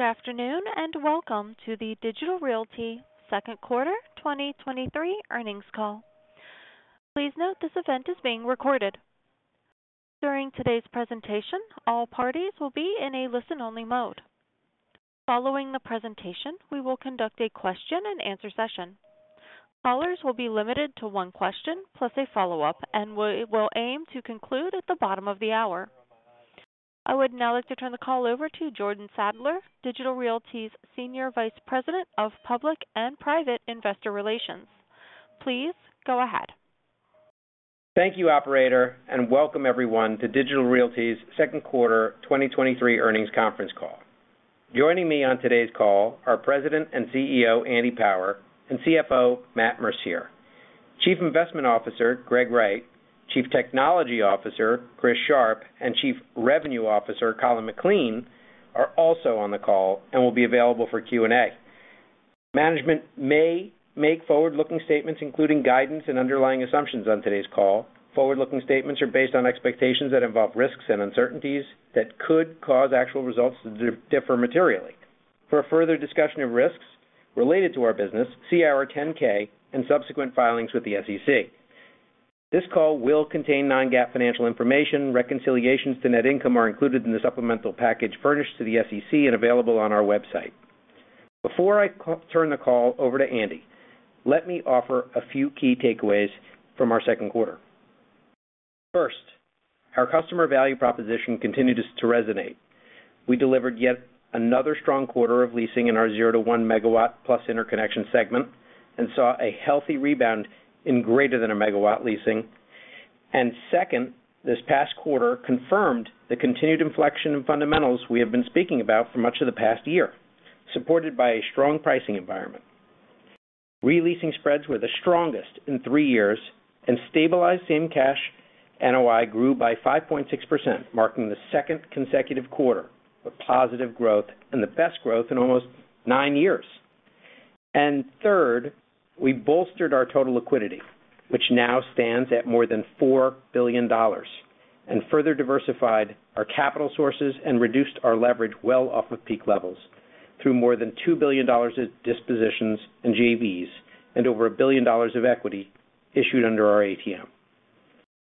Good afternoon, and welcome to the Digital Realty Q2 2023 earnings call. Please note this event is being recorded. During today's presentation, all parties will be in a listen-only mode. Following the presentation, we will conduct a question-and-answer session. Callers will be limited to one question plus a follow-up, and we will aim to conclude at the bottom of the hour. I would now like to turn the call over to Jordan Sadler, Digital Realty's Senior Vice President of Public and Private Investor Relations. Please go ahead. Thank you, operator, welcome everyone to Digital Realty's Q2 2023 earnings conference call. Joining me on today's call are President and CEO, Andy Power, and CFO, Matt Mercier. Chief Investment Officer, Greg Wright, Chief Technology Officer, Chris Sharp, and Chief Revenue Officer, Colin McLean, are also on the call and will be available for Q&A. Management may make forward-looking statements, including guidance and underlying assumptions on today's call. Forward-looking statements are based on expectations that involve risks and uncertainties that could cause actual results to differ materially. For a further discussion of risks related to our business, see our 10-K and subsequent filings with the SEC. This call will contain non-GAAP financial information. Reconciliations to net income are included in the supplemental package furnished to the SEC and available on our website. Before I... Turn the call over to Andy, let me offer a few key takeaways from our Q2. First, our customer value proposition continued us to resonate. We delivered yet another strong quarter of leasing in our 0-1 megawatt plus interconnection segment and saw a healthy rebound in greater than 1 megawatt leasing. Second, this past quarter confirmed the continued inflection of fundamentals we have been speaking about for much of the past year, supported by a strong pricing environment. Releasing spreads were the strongest in three years, and stabilized same-cash NOI grew by 5.6%, marking the second consecutive quarter of positive growth and the best growth in almost nine years. Third, we bolstered our total liquidity, which now stands at more than $4 billion, and further diversified our capital sources and reduced our leverage well off of peak levels through more than $2 billion of dispositions and JVs and over $1 billion of equity issued under our ATM.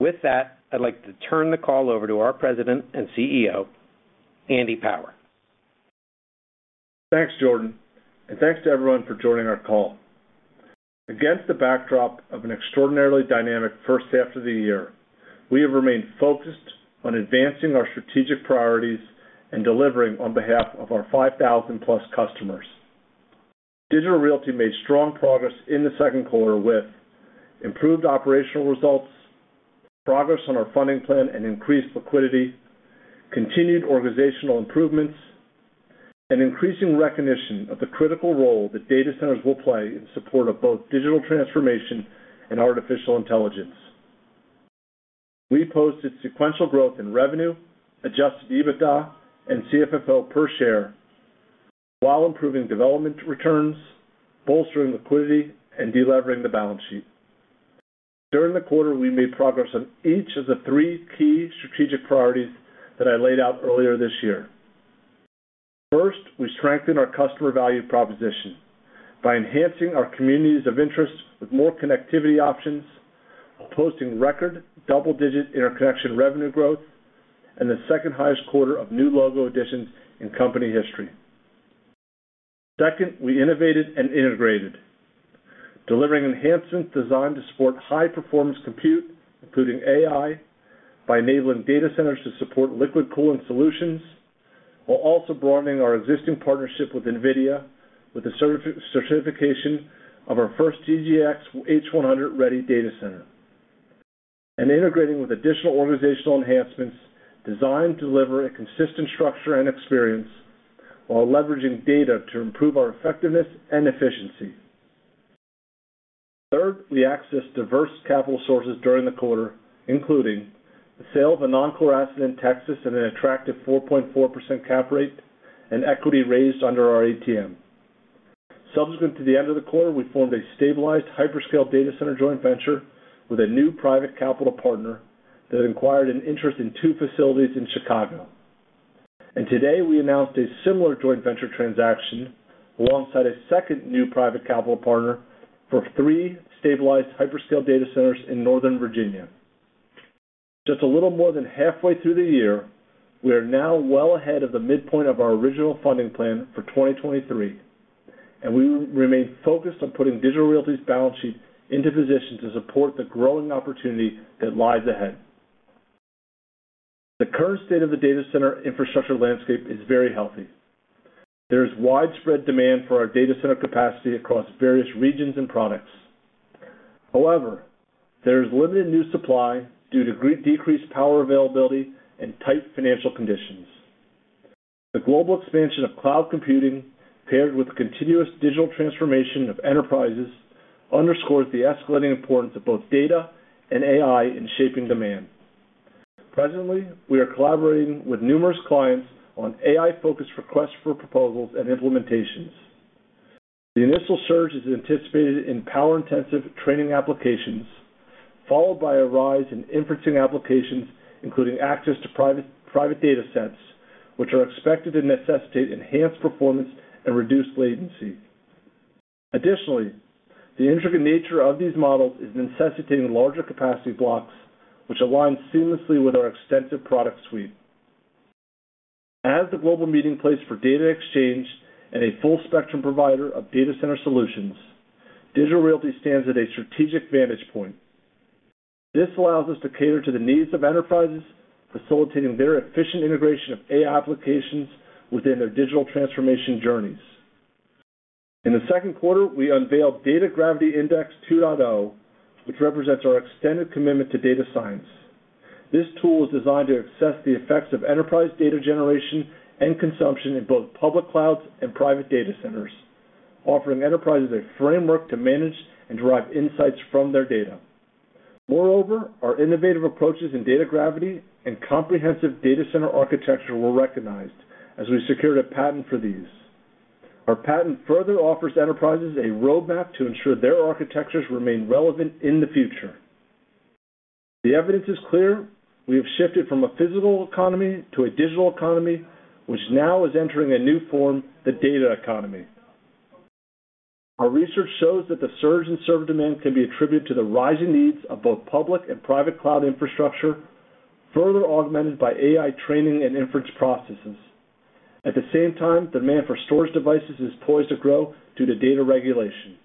With that, I'd like to turn the call over to our President and CEO, Andy Power. Thanks, Jordan, and thanks to everyone for joining our call. Against the backdrop of an extraordinarily dynamic H1 of the year, we have remained focused on advancing our strategic priorities and delivering on behalf of our 5,000-plus customers. Digital Realty made strong progress in the Q2 with improved operational results, progress on our funding plan and increased liquidity, continued organizational improvements, and increasing recognition of the critical role that data centers will play in support of both digital transformation and artificial intelligence. We posted sequential growth in revenue, adjusted EBITDA and CFFO per share, while improving development returns, bolstering liquidity, and delevering the balance sheet. During the quarter, we made progress on each of the three key strategic priorities that I laid out earlier this year. First, we strengthened our customer value proposition by enhancing our communities of interest with more connectivity options, posting record double-digit interconnection revenue growth, and the second-highest quarter of new logo additions in company history. Second, we innovated and integrated, delivering enhancements designed to support high-performance compute, including AI, by enabling data centers to support liquid cooling solutions, while also broadening our existing partnership with NVIDIA, with the certification of our first DGX H100 ready data center, and integrating with additional organizational enhancements designed to deliver a consistent structure and experience while leveraging data to improve our effectiveness and efficiency. Third, we accessed diverse capital sources during the quarter, including the sale of a non-core asset in Texas at an attractive 4.4% cap rate and equity raised under our ATM. Subsequent to the end of the quarter, we formed a stabilized hyperscale data center joint venture with a new private capital partner that acquired an interest in two facilities in Chicago. Today, we announced a similar joint venture transaction alongside a second new private capital partner for three stabilized hyperscale data centers in Northern Virginia. Just a little more than halfway through the year, we are now well ahead of the midpoint of our original funding plan for 2023, and we remain focused on putting Digital Realty's balance sheet into position to support the growing opportunity that lies ahead. The current state of the data center infrastructure landscape is very healthy. There is widespread demand for our data center capacity across various regions and products. However, there is limited new supply due to decreased power availability and tight financial conditions. The global expansion of cloud computing, paired with the continuous digital transformation of enterprises, underscores the escalating importance of both data and AI in shaping demand. Presently, we are collaborating with numerous clients on AI-focused requests for proposals and implementations. The initial surge is anticipated in power-intensive training applications, followed by a rise in inferencing applications, including access to private, private data sets, which are expected to necessitate enhanced performance and reduced latency. Additionally, the intricate nature of these models is necessitating larger capacity blocks, which align seamlessly with our extensive product suite. As the global meeting place for data exchange and a full spectrum provider of data center solutions, Digital Realty stands at a strategic vantage point. This allows us to cater to the needs of enterprises, facilitating their efficient integration of AI applications within their digital transformation journeys. In the Q2, we unveiled Data Gravity Index 2.0, which represents our extended commitment to data science. This tool is designed to assess the effects of enterprise data generation and consumption in both public clouds and private data centers, offering enterprises a framework to manage and derive insights from their data. Moreover, our innovative approaches in data gravity and comprehensive data center architecture were recognized as we secured a patent for these. Our patent further offers enterprises a roadmap to ensure their architectures remain relevant in the future. The evidence is clear. We have shifted from a physical economy to a digital economy, which now is entering a new form, the data economy. Our research shows that the surge in server demand can be attributed to the rising needs of both public and private cloud infrastructure, further augmented by AI training and inference processes. At the same time, demand for storage devices is poised to grow due to data regulation.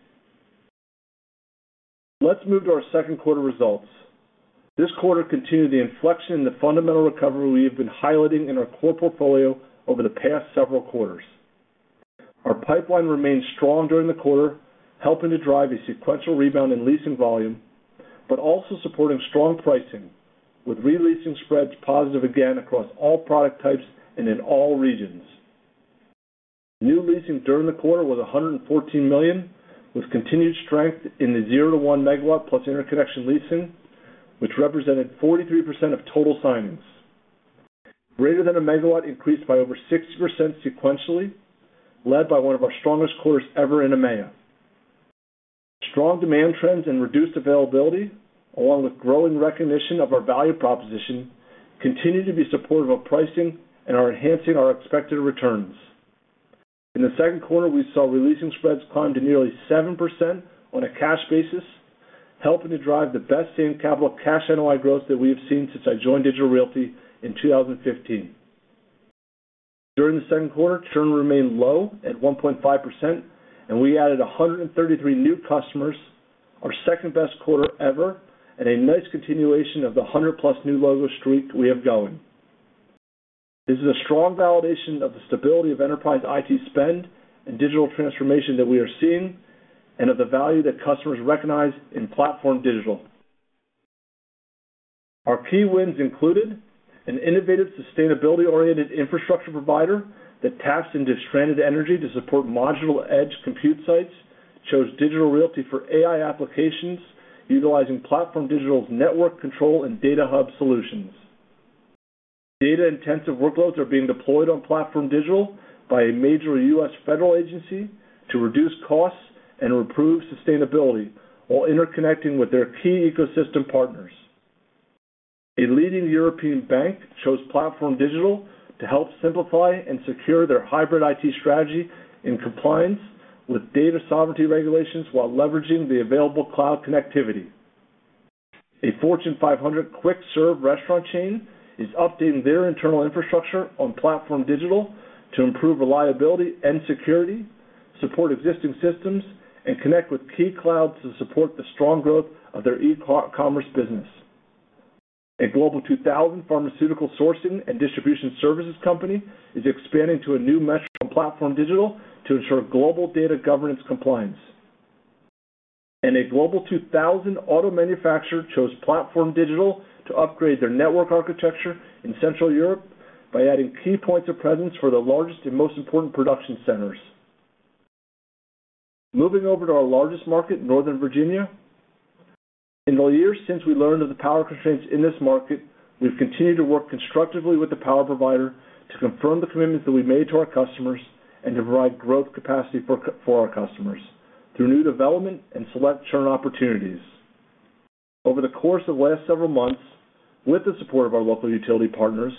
Let's move to our Q2 results. This quarter continued the inflection in the fundamental recovery we have been highlighting in our core portfolio over the past several quarters. Our pipeline remained strong during the quarter, helping to drive a sequential rebound in leasing volume, but also supporting strong pricing, with re-leasing spreads positive again across all product types and in all regions. New leasing during the quarter was $114 million, with continued strength in the 0-1 MW plus interconnection leasing, which represented 43% of total signings. Greater than 1 MW increased by over 60% sequentially, led by one of our strongest quarters ever in EMEA. Strong demand trends and reduced availability, along with growing recognition of our value proposition, continue to be supportive of pricing and are enhancing our expected returns. In the Q2, we saw re-leasing spreads climb to nearly 7% on a cash basis, helping to drive the best Same-Capital Cash NOI growth that we have seen since I joined Digital Realty in 2015. During the Q2, churn remained low at 1.5%, and we added 133 new customers, our second-best quarter ever, and a nice continuation of the 100-plus new logo streak we have going. This is a strong validation of the stability of enterprise IT spend and digital transformation that we are seeing, and of the value that customers recognize in PlatformDIGITAL. Our key wins included an innovative, sustainability-oriented infrastructure provider that taps into stranded energy to support modular edge compute sites, chose Digital Realty for AI applications utilizing PlatformDIGITAL's network Control Hub and Data Hub solutions. Data-intensive workloads are being deployed on PlatformDIGITAL by a major U.S. federal agency to reduce costs and improve sustainability, while interconnecting with their key ecosystem partners. A leading European bank chose PlatformDIGITAL to help simplify and secure their hybrid IT strategy in compliance with data sovereignty regulations while leveraging the available cloud connectivity. A Fortune 500 quick-serve restaurant chain is updating their internal infrastructure on PlatformDIGITAL to improve reliability and security, support existing systems, and connect with key clouds to support the strong growth of their e-commerce business. A Global 2000 pharmaceutical sourcing and distribution services company is expanding to a new mesh on PlatformDIGITAL to ensure global data governance compliance. A Global 2000 auto manufacturer chose PlatformDIGITAL to upgrade their network architecture in Central Europe by adding key points of presence for the largest and most important production centers. Moving over to our largest market, Northern Virginia. In the years since we learned of the power constraints in this market, we've continued to work constructively with the power provider to confirm the commitments that we've made to our customers and to provide growth capacity for for our customers through new development and select churn opportunities. Over the course of the last several months, with the support of our local utility partners,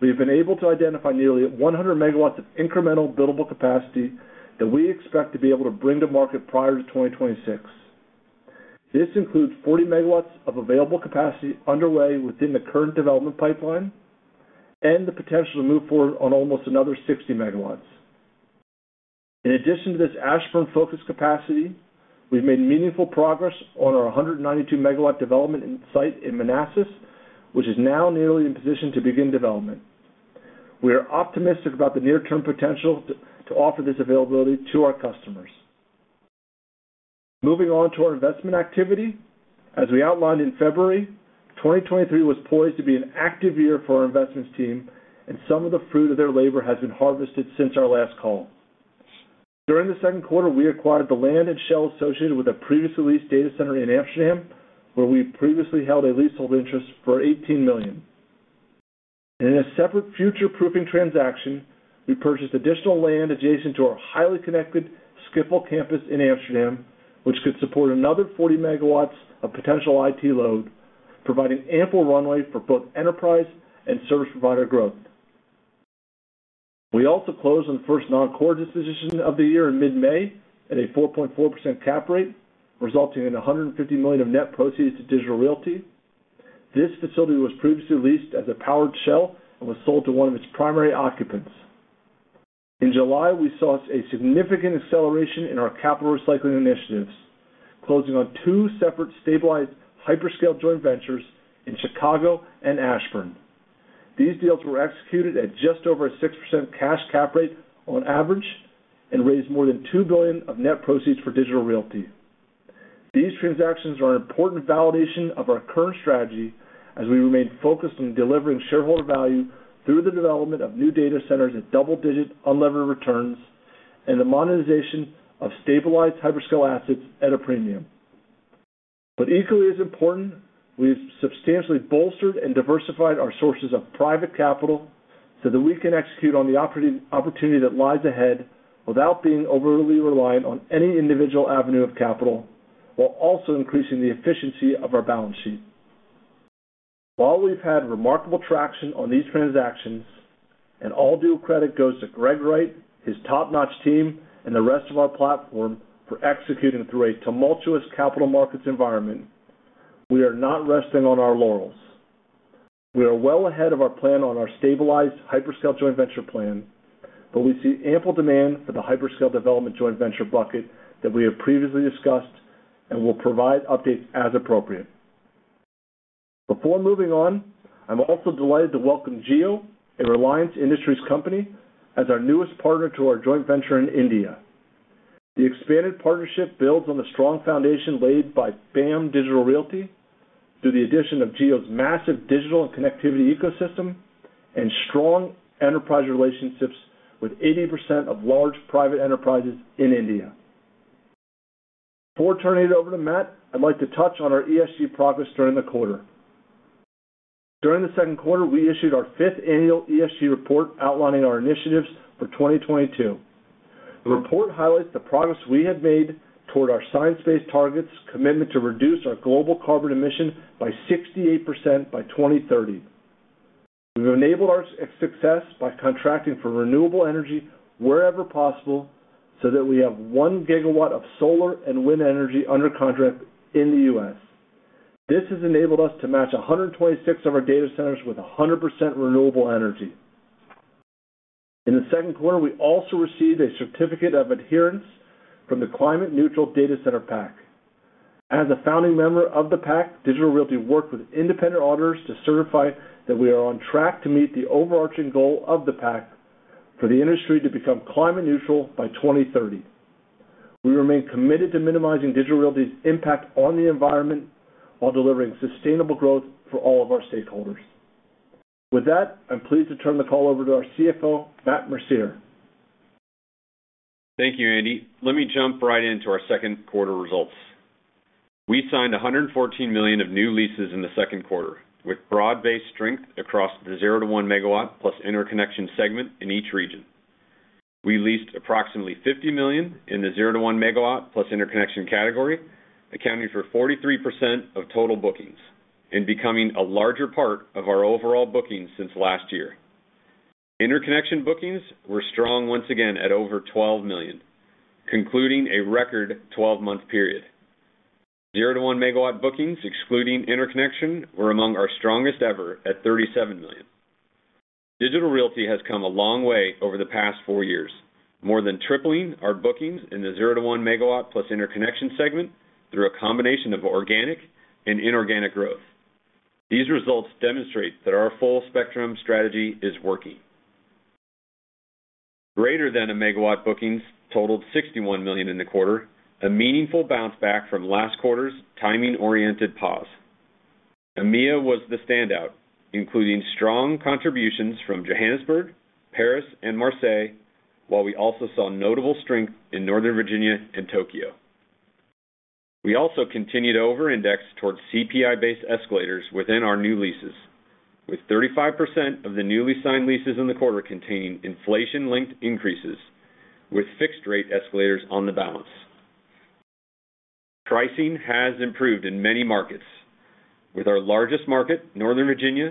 we have been able to identify nearly 100 MW of incremental billable capacity that we expect to be able to bring to market prior to 2026. This includes 40 MW of available capacity underway within the current development pipeline and the potential to move forward on almost another 60 MW. In addition to this Ashburn-focused capacity, we've made meaningful progress on our 192 MW development in site in Manassas, which is now nearly in position to begin development. We are optimistic about the near-term potential to offer this availability to our customers. Moving on to our investment activity. As we outlined in February, 2023 was poised to be an active year for our investments team, and some of the fruit of their labor has been harvested since our last call. During the Q2, we acquired the land and shell associated with a previously leased data center in Amsterdam, where we previously held a leasehold interest for $18 million. In a separate future-proofing transaction, we purchased additional land adjacent to our highly connected Schiphol campus in Amsterdam, which could support another 40 megawatts of potential IT load, providing ample runway for both enterprise and service provider growth. We also closed on the first non-core disposition of the year in mid-May at a 4.4% cap rate, resulting in $150 million of net proceeds to Digital Realty. This facility was previously leased as a powered shell and was sold to one of its primary occupants. In July, we saw a significant acceleration in our capital recycling initiatives, closing on two separate stabilized hyperscale joint ventures in Chicago and Ashburn. These deals were executed at just over a 6% cash cap rate on average and raised more than $2 billion of net proceeds for Digital Realty. These transactions are an important validation of our current strategy as we remain focused on delivering shareholder value through the development of new data centers at double-digit unlevered returns and the monetization of stabilized hyperscale assets at a premium. Equally as important, we've substantially bolstered and diversified our sources of private capital so that we can execute on the opportunity that lies ahead without being overly reliant on any individual avenue of capital, while also increasing the efficiency of our balance sheet. While we've had remarkable traction on these transactions, and all due credit goes to Greg Wright, his top-notch team, and the rest of our platform for executing through a tumultuous capital markets environment, we are not resting on our laurels. We are well ahead of our plan on our stabilized hyperscale joint venture plan. We see ample demand for the hyperscale development joint venture bucket that we have previously discussed and will provide updates as appropriate. Before moving on, I'm also delighted to welcome Jio, a Reliance Industries company, as our newest partner to our joint venture in India. The expanded partnership builds on the strong foundation laid by BAM Digital Realty through the addition of Jio's massive digital and connectivity ecosystem and strong enterprise relationships with 80% of large private enterprises in India. Before turning it over to Matt, I'd like to touch on our ESG progress during the quarter. During the Q2, we issued our fifth annual ESG report outlining our initiatives for 2022. The report highlights the progress we have made toward our science-based targets, commitment to reduce our global carbon emission by 68% by 2030. We've enabled our success by contracting for renewable energy wherever possible, so that we have 1 GW of solar and wind energy under contract in the U.S. This has enabled us to match 126 of our data centers with 100% renewable energy. In the Q2, we also received a certificate of adherence from the Climate Neutral Data Centre Pact. As a founding member of the pact, Digital Realty worked with independent auditors to certify that we are on track to meet the overarching goal of the pact for the industry to become climate neutral by 2030. We remain committed to minimizing Digital Realty's impact on the environment while delivering sustainable growth for all of our stakeholders. With that, I'm pleased to turn the call over to our CFO, Matt Mercier. Thank you, Andy. Let me jump right into our Q2 results. We signed $114 million of new leases in the Q2, with broad-based strength across the 0-1 megawatt plus interconnection segment in each region. We leased approximately $50 million in the 0-1 megawatt plus interconnection category, accounting for 43% of total bookings and becoming a larger part of our overall bookings since last year. Interconnection bookings were strong once again at over $12 million, concluding a record 12-month period. 0-1 megawatt bookings, excluding interconnection, were among our strongest ever at $37 million. Digital Realty has come a long way over the past four years, more than tripling our bookings in the 0-1 megawatt plus interconnection segment through a combination of organic and inorganic growth. These results demonstrate that our full spectrum strategy is working. Greater than a megawatt bookings totaled $61 million in the quarter, a meaningful bounce back from last quarter's timing-oriented pause. EMEA was the standout, including strong contributions from Johannesburg, Paris, and Marseille, while we also saw notable strength in Northern Virginia and Tokyo. We also continued to over-index towards CPI-based escalators within our new leases, with 35% of the newly signed leases in the quarter containing inflation-linked increases, with fixed-rate escalators on the balance. Pricing has improved in many markets, with our largest market, Northern Virginia,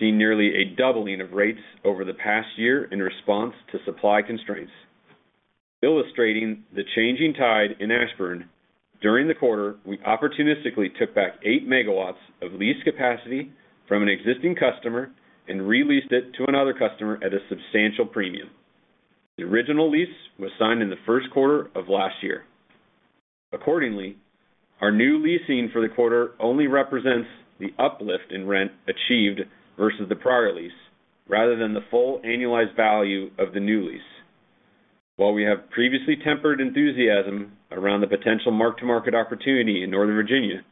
seeing nearly a doubling of rates over the past year in response to supply constraints. Illustrating the changing tide in Ashburn, during the quarter, we opportunistically took back 8 megawatts of leased capacity from an existing customer and re-leased it to another customer at a substantial premium. The original lease was signed in the Q1 of last year. Accordingly, our new leasing for the quarter only represents the uplift in rent achieved versus the prior lease, rather than the full annualized value of the new lease. While we have previously tempered enthusiasm around the potential mark-to-market opportunity in Northern Virginia,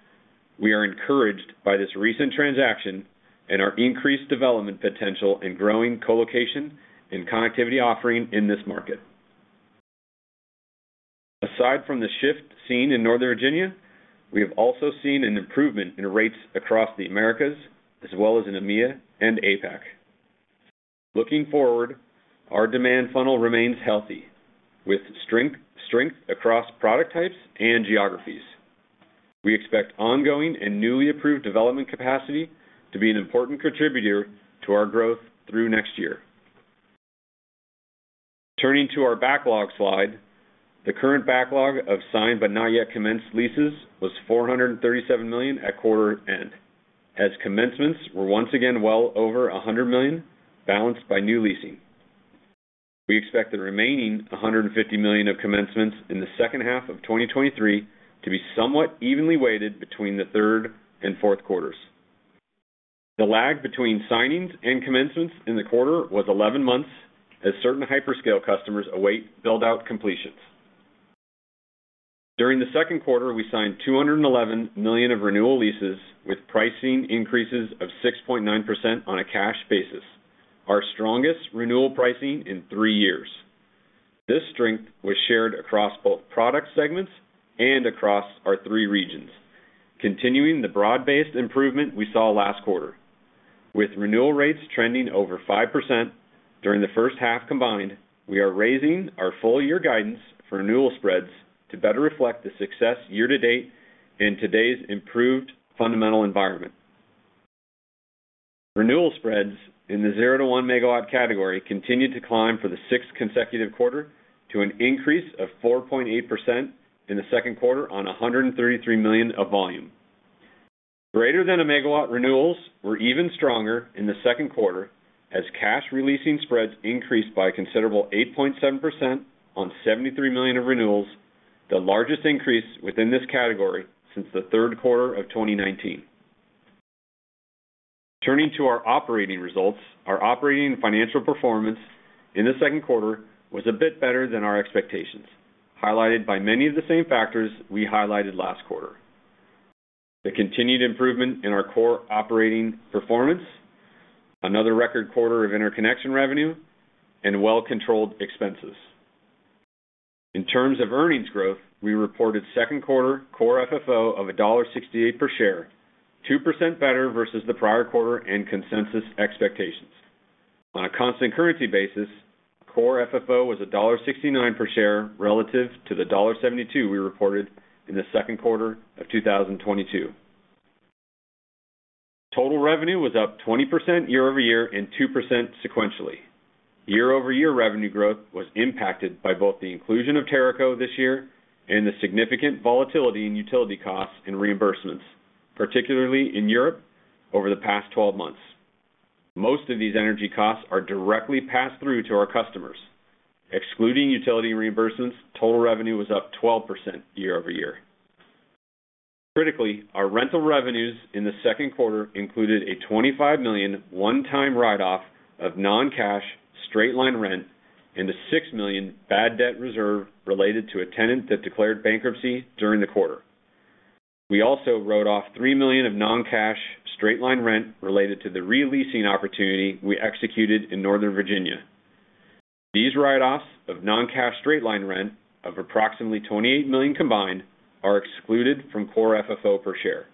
we are encouraged by this recent transaction and our increased development potential in growing colocation and connectivity offering in this market. Aside from the shift seen in Northern Virginia, we have also seen an improvement in rates across the Americas, as well as in EMEA and APAC. Looking forward, our demand funnel remains healthy, with strength, strength across product types and geographies. We expect ongoing and newly approved development capacity to be an important contributor to our growth through next year. Turning to our backlog slide, the current backlog of signed but not yet commenced leases was $437 million at quarter end, as commencements were once again well over $100 million, balanced by new leasing. We expect the remaining $150 million of commencements in the H2 of 2023 to be somewhat evenly weighted between the Q1 and Q4. The lag between signings and commencements in the quarter was 11 months, as certain hyperscale customers await build-out completions. During the Q2, we signed $211 million of renewal leases, with pricing increases of 6.9% on a cash basis, our strongest renewal pricing in 3 years. This strength was shared across both product segments and across our 3 regions, continuing the broad-based improvement we saw last quarter. With renewal rates trending over 5% during the H1 combined, we are raising our full year guidance for renewal spreads to better reflect the success year to date in today's improved fundamental environment. Renewal spreads in the 0-1 megawatt category continued to climb for the 6th consecutive quarter to an increase of 4.8% in the Q2 on $133 million of volume. Greater than a megawatt renewals were even stronger in the Q2 as cash re-leasing spreads increased by a considerable 8.7% on $73 million of renewals, the largest increase within this category since the Q3 of 2019. Turning to our operating results, our operating financial performance in the Q2 was a bit better than our expectations, highlighted by many of the same factors we highlighted last quarter. The continued improvement in our core operating performance, another record quarter of interconnection revenue, and well controlled expenses. In terms of earnings growth, we reported Q2 core FFO of $1.68 per share, 2% better versus the prior quarter and consensus expectations. On a constant currency basis, core FFO was $1.69 per share relative to the $1.72 we reported in the Q2 of 2022. Total revenue was up 20% year-over-year and 2% sequentially. Year-over-year revenue growth was impacted by both the inclusion of Teraco this year and the significant volatility in utility costs and reimbursements, particularly in Europe over the past 12 months. Most of these energy costs are directly passed through to our customers. Excluding utility reimbursements, total revenue was up 12% year-over-year. Critically, our rental revenues in the Q2 included a $25 million one-time write-off of non-cash straight-line rent and a $6 million bad debt reserve related to a tenant that declared bankruptcy during the quarter. We also wrote off $3 million of non-cash straight-line rent related to the re-leasing opportunity we executed in Northern Virginia. These write-offs of non-cash straight-line rent of approximately $28 million combined, are excluded from Core FFO per share.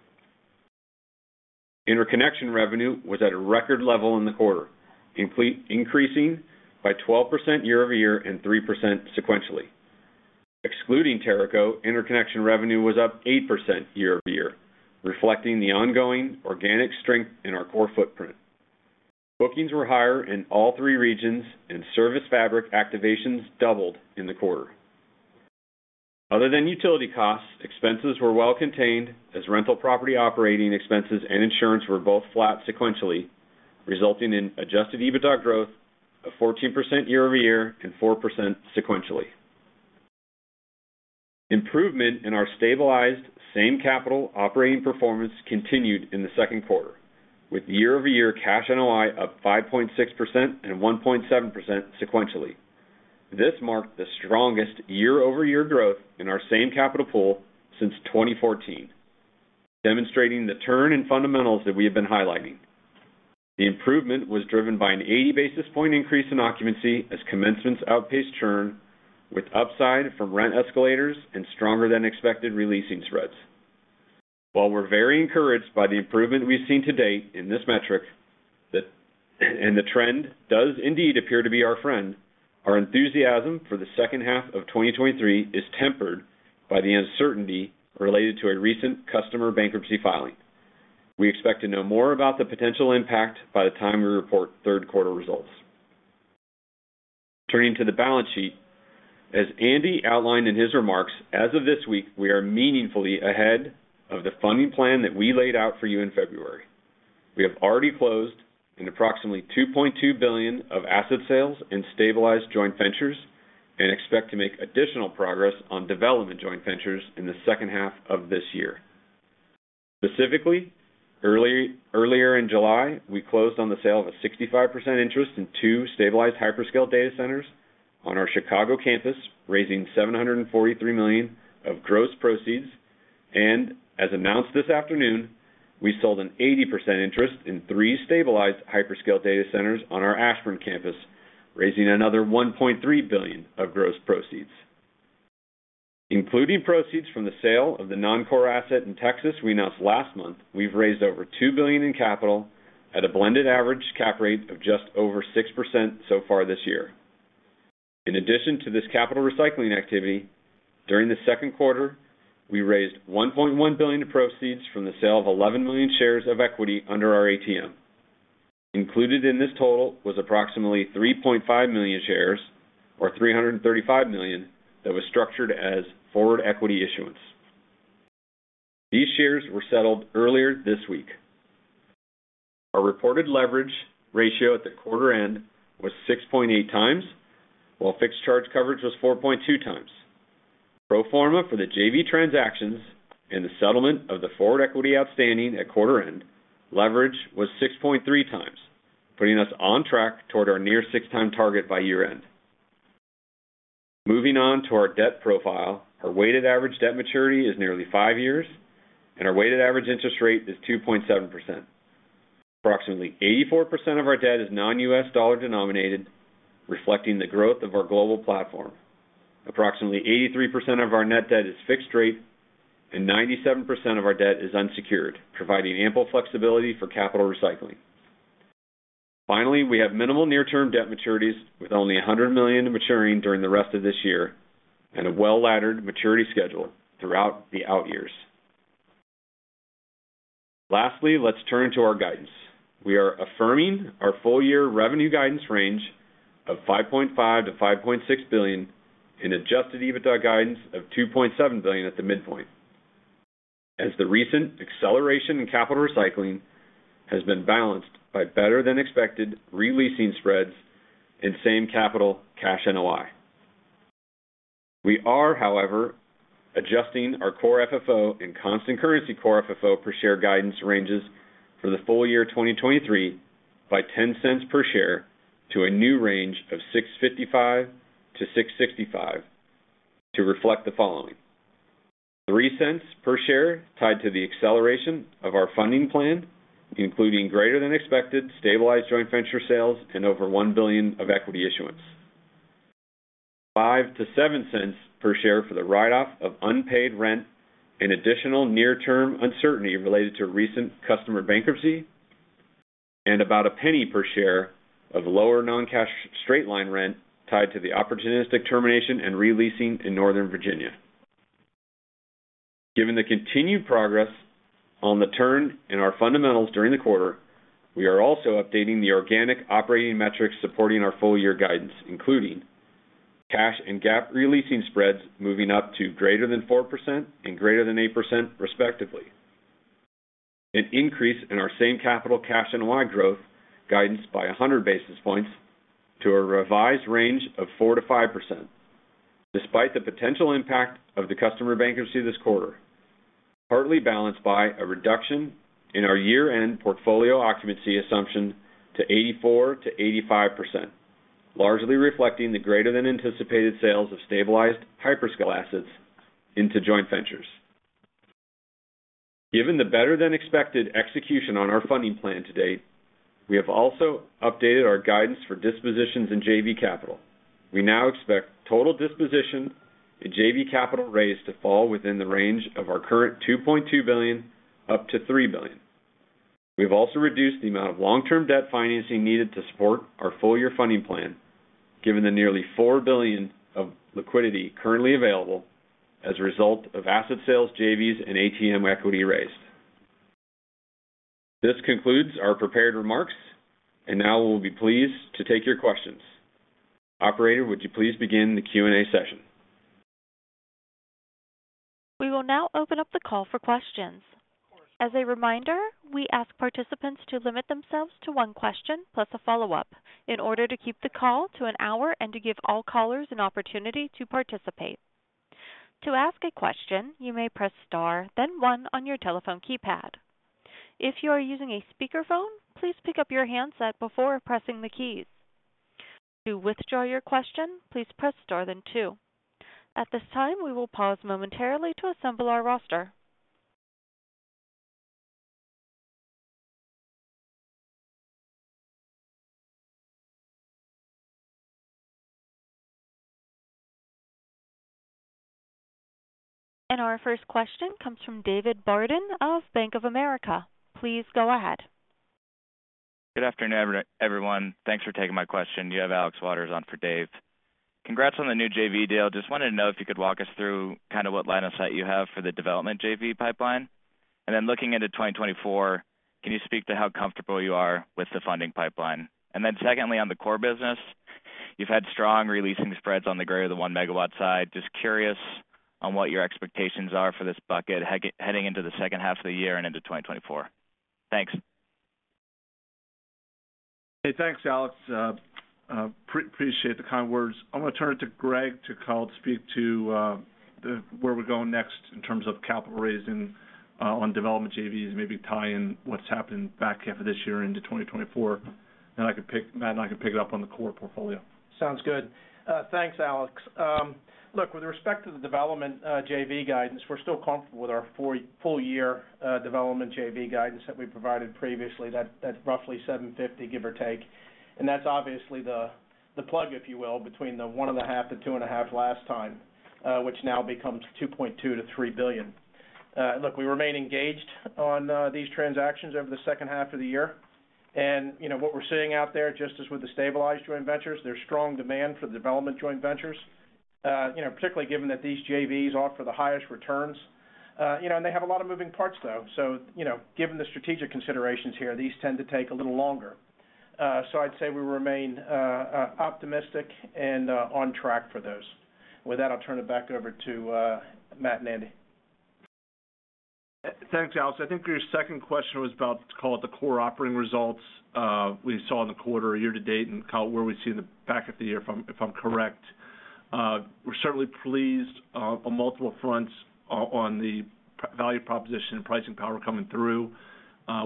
Interconnection revenue was at a record level in the quarter, increasing by 12% year-over-year and 3% sequentially. Excluding Teraco, interconnection revenue was up 8% year-over-year, reflecting the ongoing organic strength in our core footprint. Bookings were higher in all three regions, and ServiceFabric activations doubled in the quarter. Other than utility costs, expenses were well contained as rental property operating expenses and insurance were both flat sequentially, resulting in adjusted EBITDA growth of 14% year-over-year and 4% sequentially. Improvement in our stabilized same capital operating performance continued in the Q2, with year-over-year cash NOI up 5.6% and 1.7% sequentially. This marked the strongest year-over-year growth in our same capital pool since 2014, demonstrating the turn in fundamentals that we have been highlighting. The improvement was driven by an 80 basis point increase in occupancy as commencements outpaced churn with upside from rent escalators and stronger than expected re-leasing spreads. While we're very encouraged by the improvement we've seen to date in this metric, and the trend does indeed appear to be our friend, our enthusiasm for the H2 of 2023 is tempered by the uncertainty related to a recent customer bankruptcy filing. We expect to know more about the potential impact by the time we report Q3 results. Turning to the balance sheet. As Andy outlined in his remarks, as of this week, we are meaningfully ahead of the funding plan that we laid out for you in February. We have already closed an approximately $2.2 billion of asset sales and stabilized joint ventures, and expect to make additional progress on development joint ventures in the H2 of this year. Specifically, earlier in July, we closed on the sale of a 65% interest in two stabilized hyperscale data centers on our Chicago campus, raising $743 million of gross proceeds. As announced this afternoon, we sold an 80% interest in three stabilized hyperscale data centers on our Ashburn campus, raising another $1.3 billion of gross proceeds. Including proceeds from the sale of the non-core asset in Texas we announced last month, we've raised over $2 billion in capital at a blended average cap rate of just over 6% so far this year. In addition to this capital recycling activity, during the Q2, we raised $1.1 billion in proceeds from the sale of 11 million shares of equity under our ATM. Included in this total was approximately 3.5 million shares, or $335 million, that was structured as forward equity issuance. These shares were settled earlier this week. Our reported leverage ratio at the quarter end was 6.8x, while fixed charge coverage was 4.2x. Pro forma for the JV transactions and the settlement of the forward equity outstanding at quarter end, leverage was 6.3x, putting us on track toward our near 6x target by year-end. Moving on to our debt profile. Our weighted average debt maturity is nearly 5 years, and our weighted average interest rate is 2.7%. Approximately 84% of our debt is non-US dollar denominated, reflecting the growth of our global platform. Approximately 83% of our net debt is fixed rate, 97% of our debt is unsecured, providing ample flexibility for capital recycling. Finally, we have minimal near-term debt maturities, with only $100 million maturing during the rest of this year, a well-laddered maturity schedule throughout the out years. Lastly, let's turn to our guidance. We are affirming our full-year revenue guidance range of $5.5 billion-$5.6 billion, adjusted EBITDA guidance of $2.7 billion at the midpoint, as the recent acceleration in capital recycling has been balanced by better-than-expected re-leasing spreads and Same-Capital Cash NOI. We are, however, adjusting our Core FFO and constant currency Core FFO per share guidance ranges for the full year 2023 by $0.10 per share to a new range of $6.55-$6.65 to reflect the following: $0.03 per share tied to the acceleration of our funding plan, including greater than expected stabilized joint venture sales and over $1 billion of equity issuance. $0.05-$0.07 per share for the write-off of unpaid rent and additional near-term uncertainty related to recent customer bankruptcy, and about $0.01 per share of lower non-cash straight-line rent tied to the opportunistic termination and re-leasing in Northern Virginia. Given the continued progress on the turn in our fundamentals during the quarter, we are also updating the organic operating metrics supporting our full-year guidance, including cash and GAAP re-leasing spreads moving up to greater than 4% and greater than 8%, respectively. An increase in our Same-Capital Cash NOI growth guidance by 100 basis points to a revised range of 4%-5%, despite the potential impact of the customer bankruptcy this quarter, partly balanced by a reduction in our year-end portfolio occupancy assumption to 84%-85%, largely reflecting the greater than anticipated sales of stabilized hyperscale assets into joint ventures. Given the better-than-expected execution on our funding plan to date, we have also updated our guidance for dispositions in JV Capital. We now expect total disposition in JV Capital raise to fall within the range of our current $2.2 billion-$3 billion. We've also reduced the amount of long-term debt financing needed to support our full-year funding plan, given the nearly $4 billion of liquidity currently available as a result of asset sales, JVs, and ATM equity raised. This concludes our prepared remarks, and now we will be pleased to take your questions. Operator, would you please begin the Q&A session? We will now open up the call for questions. As a reminder, we ask participants to limit themselves to one question plus a follow-up, in order to keep the call to an hour and to give all callers an opportunity to participate. To ask a question, you may press star, then one on your telephone keypad. If you are using a speakerphone, please pick up your handset before pressing the keys. To withdraw your question, please press star then two. At this time, we will pause momentarily to assemble our roster. Our first question comes from David Barden of Bank of America. Please go ahead. Good afternoon, everyone. Thanks for taking my question. You have Alex Waters on for Dave. Congrats on the new JV deal. Just wanted to know if you could walk us through kind of what line of sight you have for the development JV pipeline. Looking into 2024, can you speak to how comfortable you are with the funding pipeline? Secondly, on the core business, you've had strong releasing spreads on the greater than 1 megawatt side. Just curious on what your expectations are for this bucket, heading into the H2 of the year and into 2024. Thanks. Hey, thanks, Alex. appreciate the kind words. I'm going to turn it to Greg to kind of speak to, where we're going next in terms of capital raising, on development JVs, maybe tie in what's happened back half of this year into 2024. I could pick, Matt, and I could pick it up on the core portfolio. Sounds good. Thanks, Alex. Look, with respect to the development JV guidance, we're still comfortable with our full year development JV guidance that we provided previously, that's roughly $750 million, give or take. That's obviously the plug, if you will, between the $1.5 billion-$2.5 billion last time, which now becomes $2.2 billion-$3 billion. Look, we remain engaged on these transactions over theH2 of the year. You know, what we're seeing out there, just as with the stabilized joint ventures, there's strong demand for the development joint ventures, you know, particularly given that these JVs offer the highest returns. You know, and they have a lot of moving parts, though. You know, given the strategic considerations here, these tend to take a little longer. I'd say we remain optimistic and on track for those. With that, I'll turn it back over to Matt and Andy. Thanks, Alex. I think your second question was about, let's call it, the core operating results, we saw in the quarter year-to-date and kind where we see the back of the year, if I'm, if I'm correct. We're certainly pleased on multiple fronts on, on the value proposition and pricing power coming through.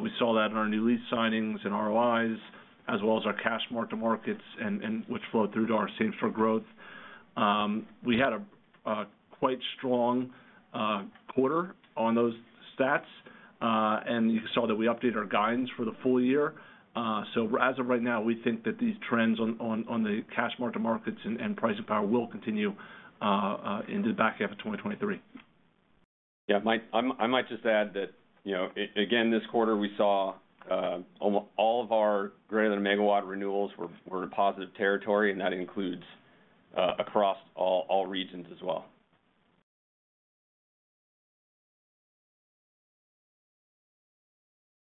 We saw that in our new lease signings and ROIs, as well as our cash mark to markets and, and which flowed through to our same-store growth. We had a, a quite strong quarter on those stats, and you saw that we updated our guidance for the full year. As of right now, we think that these trends on, on, on the cash mark to markets and, and pricing power will continue into the back half of 2023. Yeah, I might just add that, you know, again, this quarter, we saw all of our greater than 1 megawatt renewals were in a positive territory, and that includes across all regions as well.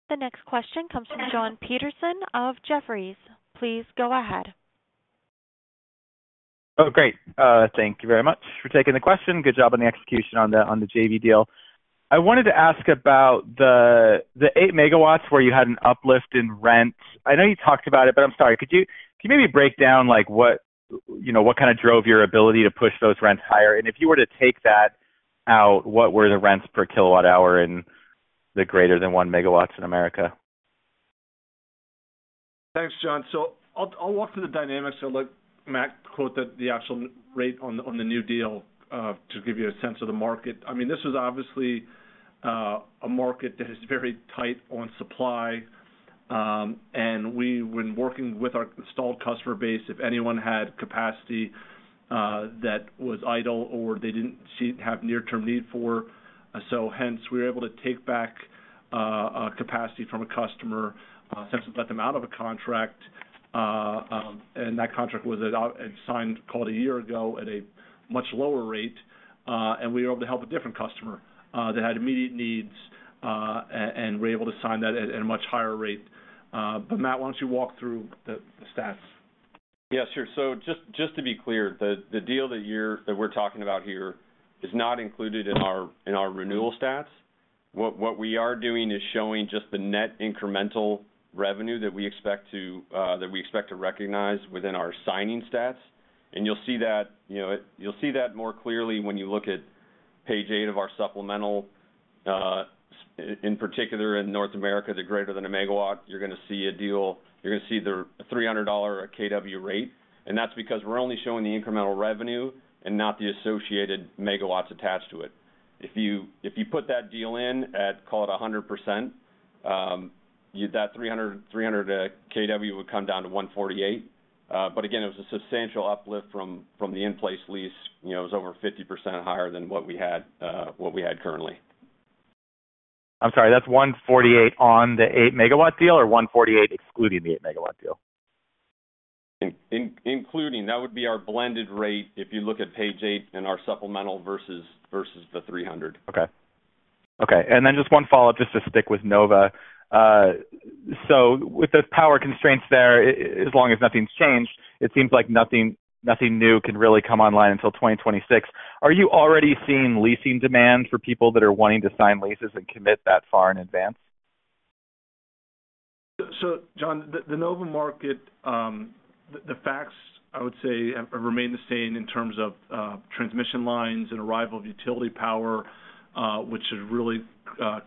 The next question comes from Jonathan Petersen of Jefferies. Please go ahead. Oh, great. Thank you very much for taking the question. Good job on the execution on the JV deal. I wanted to ask about the 8 megawatts where you had an uplift in rent. I know you talked about it, but I'm sorry, could you, could you maybe break down, like, what, you know, what kind of drove your ability to push those rents higher? And if you were to take that out, what were the rents per kilowatt hour in the greater than 1 megawatts in America? Thanks, John. I'll, I'll walk through the dynamics and let Matt quote the, the actual rate on the, on the new deal to give you a sense of the market. I mean, this is obviously a market that is very tight on supply, and we've been working with our installed customer base, if anyone had capacity that was idle or they didn't have near-term need for. Hence, we were able to take back capacity from a customer since it let them out of a contract, and that contract was out and signed, call it 1 year ago, at a much lower rate, and we were able to help a different customer that had immediate needs, and we were able to sign that at, at a much higher rate. Matt, why don't you walk through the, the stats? Yeah, sure. Just, just to be clear, the deal that we're talking about here is not included in our, in our renewal stats. What, what we are doing is showing just the net incremental revenue that we expect to that we expect to recognize within our signing stats. You'll see that, you know, you'll see that more clearly when you look at page 8 of our supplemental, in particular in North America, the greater than 1 megawatt, you're gonna see you're gonna see the $300 a kW rate, and that's because we're only showing the incremental revenue and not the associated megawatts attached to it. If you, if you put that deal in at, call it 100%, that 300, 300 kW would come down to 148. Again, it was a substantial uplift from, from the in-place lease. You know, it was over 50% higher than what we had, what we had currently. I'm sorry, that's 148 on the 8 MW deal, or 148 excluding the 8 MW deal? Including. That would be our blended rate if you look at page 8 in our supplemental versus, versus the 300. Okay. Okay, just one follow-up, just to stick with Nova. With the power constraints there, as long as nothing's changed, it seems like nothing, nothing new can really come online until 2026. Are you already seeing leasing demand for people that are wanting to sign leases and commit that far in advance? John, the Nova market, the facts, I would say, remain the same in terms of transmission lines and arrival of utility power, which has really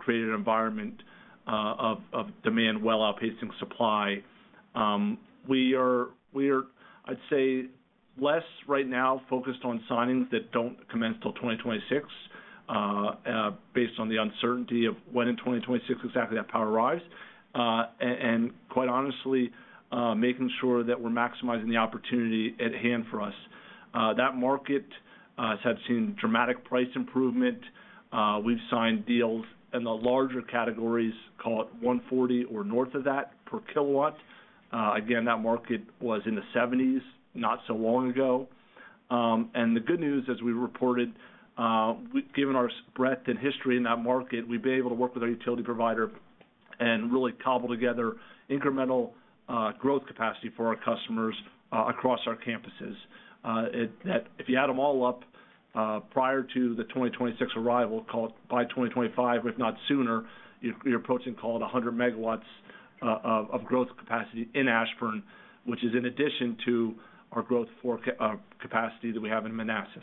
created an environment of demand well outpacing supply. We are, I'd say, less right now focused on signings that don't commence till 2026, based on the uncertainty of when in 2026 exactly that power arrives. Quite honestly, making sure that we're maximizing the opportunity at hand for us. That market has seen dramatic price improvement. We've signed deals in the larger categories, call it 140 or north of that, per kW. Again, that market was in the 70s not so long ago. The good news, as we reported, we've given our breadth and history in that market, we've been able to work with our utility provider and really cobble together incremental growth capacity for our customers across our campuses. If you add them all up, prior to the 2026 arrival, call it by 2025, if not sooner, you're, you're approaching, call it 100 megawatts of growth capacity in Ashburn, which is in addition to our growth for capacity that we have in Manassas.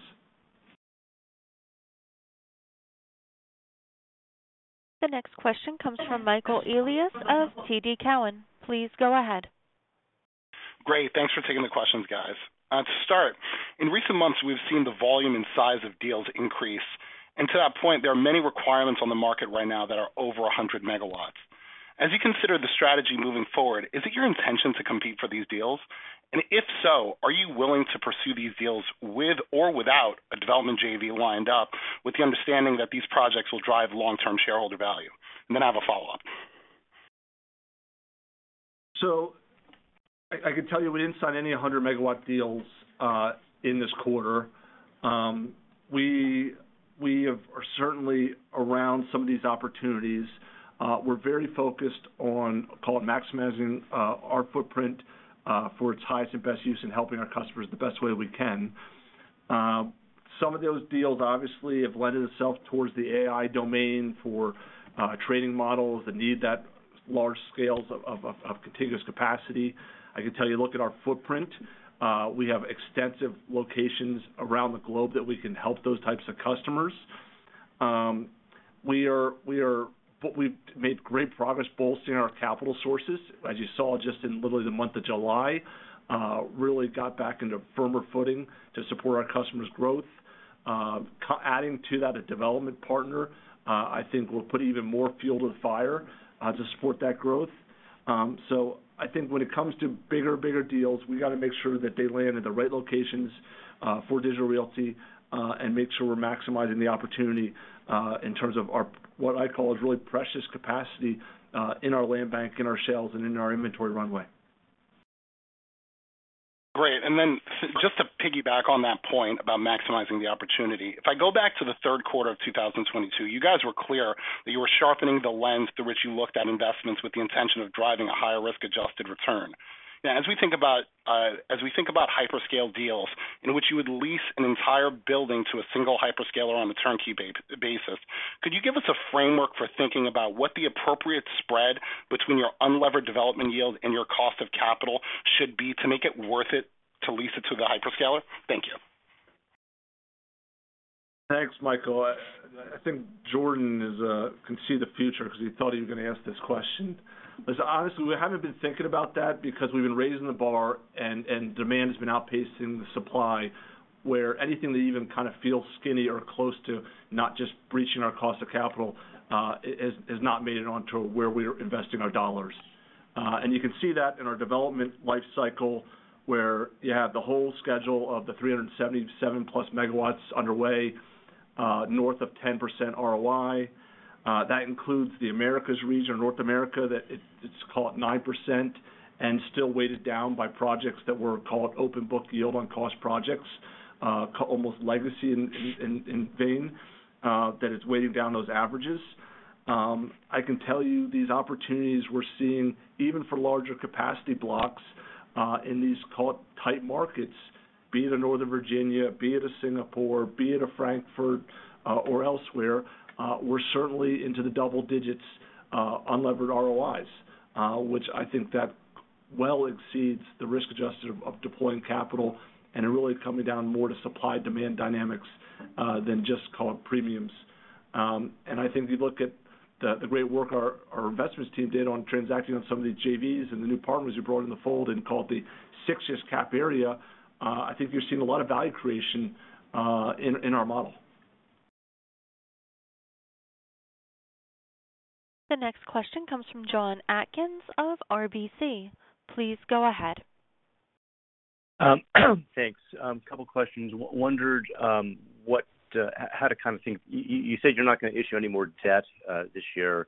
The next question comes from Michael Elias of TD Cowen. Please go ahead. Great. Thanks for taking the questions, guys. to start, in recent months, we've seen the volume and size of deals increase. to that point, there are many requirements on the market right now that are over 100 MW. As you consider the strategy moving forward, is it your intention to compete for these deals? if so, are you willing to pursue these deals with or without a development JV lined up, with the understanding that these projects will drive long-term shareholder value? then I have a follow-up. I, I can tell you we didn't sign any 100 megawatt deals in this quarter. We, we have, are certainly around some of these opportunities. We're very focused on, call it, maximizing our footprint for its highest and best use in helping our customers the best way we can. Some of those deals obviously have lent itself towards the AI domain for training models that need that large scales of, of, of contiguous capacity. I can tell you, look at our footprint. We have extensive locations around the globe that we can help those types of customers. We are, we are, but we've made great progress bolstering our capital sources. As you saw, just in literally the month of July, really got back into firmer footing to support our customers' growth. adding to that, a development partner, I think will put even more field of fire to support that growth. I think when it comes to bigger, bigger deals, we got to make sure that they land in the right locations for Digital Realty and make sure we're maximizing the opportunity in terms of our, what I call, is really precious capacity in our land bank, in our sales, and in our inventory runway. Great. Then just to piggyback on that point about maximizing the opportunity. If I go back to the Q3 of 2022, you guys were clear that you were sharpening the lens through which you looked at investments with the intention of driving a higher risk-adjusted return. Now, as we think about as we think about hyperscale deals in which you would lease an entire building to a single hyperscaler on a turnkey basis, could you give us a framework for thinking about what the appropriate spread between your unlevered development yield and your cost of capital should be to make it worth it to lease it to the hyperscaler? Thank you. Thanks, Michael. I, I think Jordan is, can see the future because he thought he was going to ask this question. Honestly, we haven't been thinking about that because we've been raising the bar and, and demand has been outpacing the supply, where anything that even kind of feels skinny or close to not just breaching our cost of capital, has, has not made it on to where we're investing our dollars. You can see that in our development life cycle, where you have the whole schedule of the 377+ MW underway, north of 10% ROI. That includes the Americas region, North America, that it, it's call it 9%, and still weighted down by projects that were, call it, open book yield on cost projects, almost legacy in vain, that it's weighting down those averages. I can tell you, these opportunities we're seeing, even for larger capacity blocks, in these call it, tight markets, be it in Northern Virginia, be it in Singapore, be it in Frankfurt, or elsewhere, we're certainly into the double digits, unlevered ROIs, which I think that well exceeds the risk adjusted of deploying capital, and it really is coming down more to supply-demand dynamics, than just call it premiums. I think if you look at the, the great work our, our investments team did on transacting on some of these JVs and the new partners we brought in the fold and called the sixes cap rate area, I think you're seeing a lot of value creation, in, in our model. The next question comes from Jonathan Atkin of RBC. Please go ahead. Thanks. A couple of questions. Wondered, how to kind of think, you said you're not going to issue any more debt this year.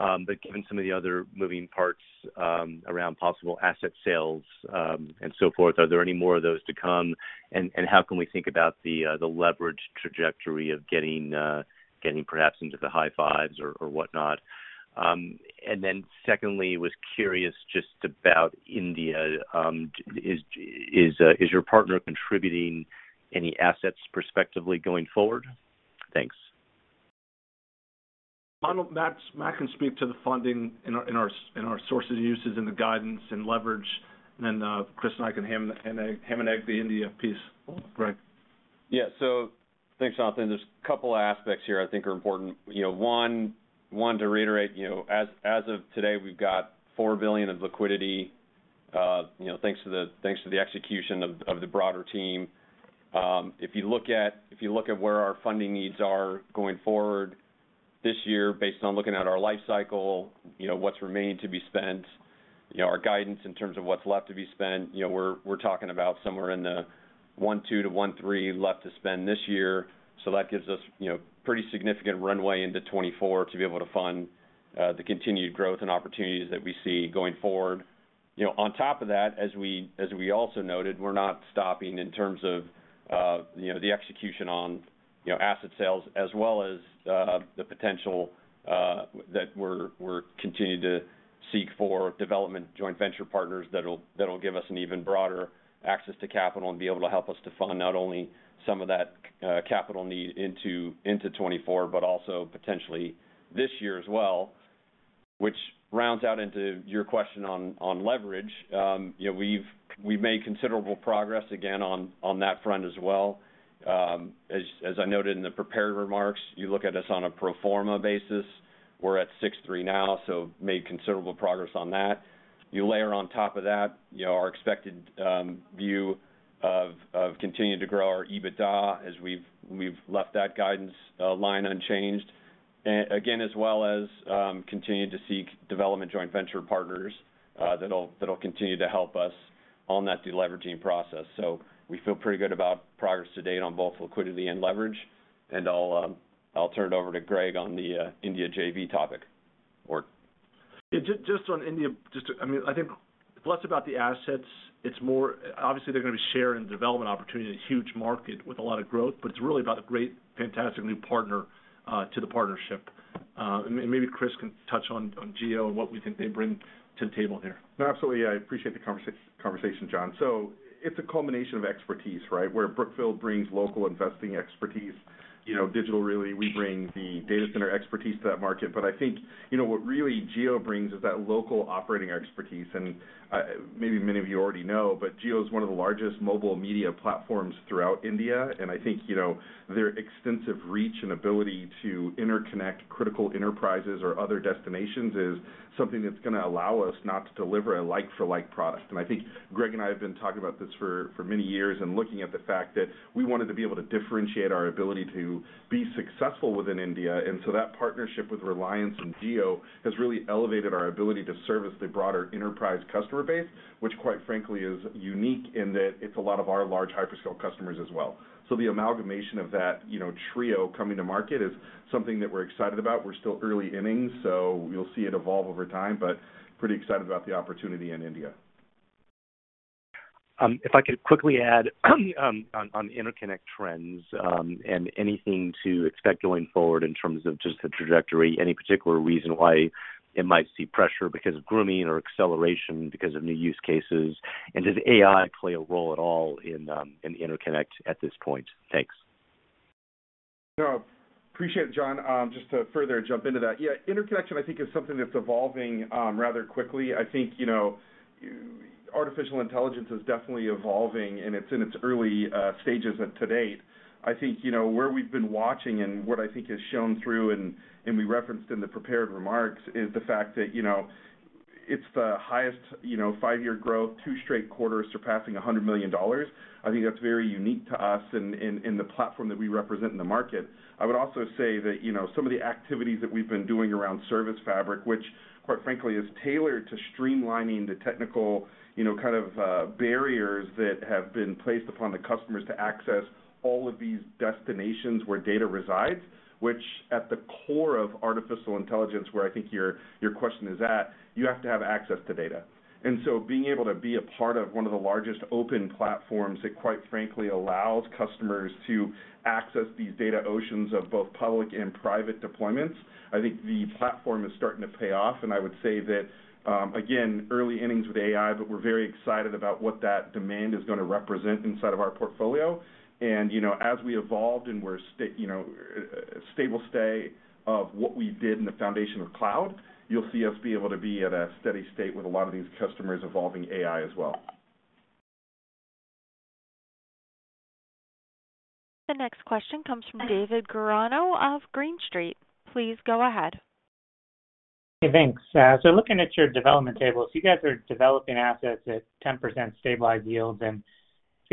Given some of the other moving parts around possible asset sales and so forth, are there any more of those to come? How can we think about the leverage trajectory of getting perhaps into the high fives or whatnot? Secondly, was curious just about India. Is your partner contributing any assets perspectively going forward? Thanks. Jonathan, Matt, Matt can speak to the funding and our, and our, and our sources and uses, and the guidance and leverage. Then Chris and I can ham and egg, ham and egg the India piece. Go ahead. Yeah. Thanks, Jonathan. There's a couple aspects here I think are important. You know, one, one, to reiterate, you know, as, as of today, we've got $4 billion of liquidity, you know, thanks to the, thanks to the execution of, of the broader team. If you look at, if you look at where our funding needs are going forward this year, based on looking at our life cycle, you know, what's remaining to be spent, you know, our guidance in terms of what's left to be spent, you know, we're, we're talking about somewhere in the $1.2 billion-$1.3 billion left to spend this year. That gives us, you know, pretty significant runway into 2024 to be able to fund the continued growth and opportunities that we see going forward. You know, on top of that, as we, as we also noted, we're not stopping in terms of, you know, the execution on, you know, asset sales as well as, the potential, that we're, we're continuing to seek for development joint venture partners that'll, that'll give us an even broader access to capital and be able to help us to fund not only some of that, capital need into, into 2024, but also potentially this year as well. Which rounds out into your question on, on leverage. You know, we've, we've made considerable progress again on, on that front as well. As, as I noted in the prepared remarks, you look at us on a pro forma basis. We're at 6.3 now, so made considerable progress on that. You layer on top of that, you know, our expected view of continuing to grow our EBITDA as we've left that guidance line unchanged. Again, as well as, continuing to seek development joint venture partners, that'll continue to help us on that deleveraging process. We feel pretty good about progress to date on both liquidity and leverage, and I'll turn it over to Greg on the India JV topic. Yeah, just, just on India. Just to-- I mean, I think it's less about the assets, it's more-- obviously, they're going to be sharing the development opportunity in a huge market with a lot of growth, but it's really about a great, fantastic new partner to the partnership. Maybe Chris can touch on, on Jio and what we think they bring to the table here. No, absolutely. I appreciate the conversation, John. It's a combination of expertise, right? Where Brookfield brings local investing expertise, you know, Digital Realty, we bring the data center expertise to that market. I think, you know, what really Jio brings is that local operating expertise. Maybe many of you already know, but Jio is one of the largest mobile media platforms throughout India. I think, you know, their extensive reach and ability to interconnect critical enterprises or other destinations is something that's going to allow us not to deliver a like-for-like product. I think Greg and I have been talking about this for, for many years and looking at the fact that we wanted to be able to differentiate our ability to be successful within India. That partnership with Reliance and Jio has really elevated our ability to service the broader enterprise customer base, which, quite frankly, is unique in that it's a lot of our large hyperscale customers as well. The amalgamation of that, you know, trio coming to market is something that we're excited about. We're still early innings, so you'll see it evolve over time, but pretty excited about the opportunity in India. If I could quickly add, on interconnect trends, and anything to expect going forward in terms of just the trajectory, any particular reason why it might see pressure because of grooming or acceleration, because of new use cases? Does AI play a role at all in, in the interconnect at this point? Thanks. No, appreciate it, Jon. Just to further jump into that, yeah, interconnection, I think, is something that's evolving rather quickly. I think, you know, artificial intelligence is definitely evolving, and it's in its early stages at to date. I think, you know, where we've been watching and what I think has shown through, and we referenced in the prepared remarks, is the fact that, you know, it's the highest, you know, 5-year growth, two straight quarters, surpassing $100 million. I think that's very unique to us in the platform that we represent in the market. I would also say that, you know, some of the activities that we've been doing around ServiceFabric, which, quite frankly, is tailored to streamlining the technical, you know, kind of, barriers that have been placed upon the customers to access all of these destinations where data resides, which at the core of artificial intelligence, where I think your, your question is at, you have to have access to data. Being able to be a part of one of the largest open platforms that, quite frankly, allows customers to access these data oceans of both public and private deployments, I think the platform is starting to pay off. I would say that, again, early innings with AI, but we're very excited about what that demand is going to represent inside of our portfolio. You know, as we evolved and we're you know, stable stay of what we did in the foundation of cloud, you'll see us be able to be at a steady state with a lot of these customers evolving AI as well. The next question comes from David Guarino of Green Street. Please go ahead. Hey, thanks. Looking at your development tables, you guys are developing assets at 10% stabilized yields, and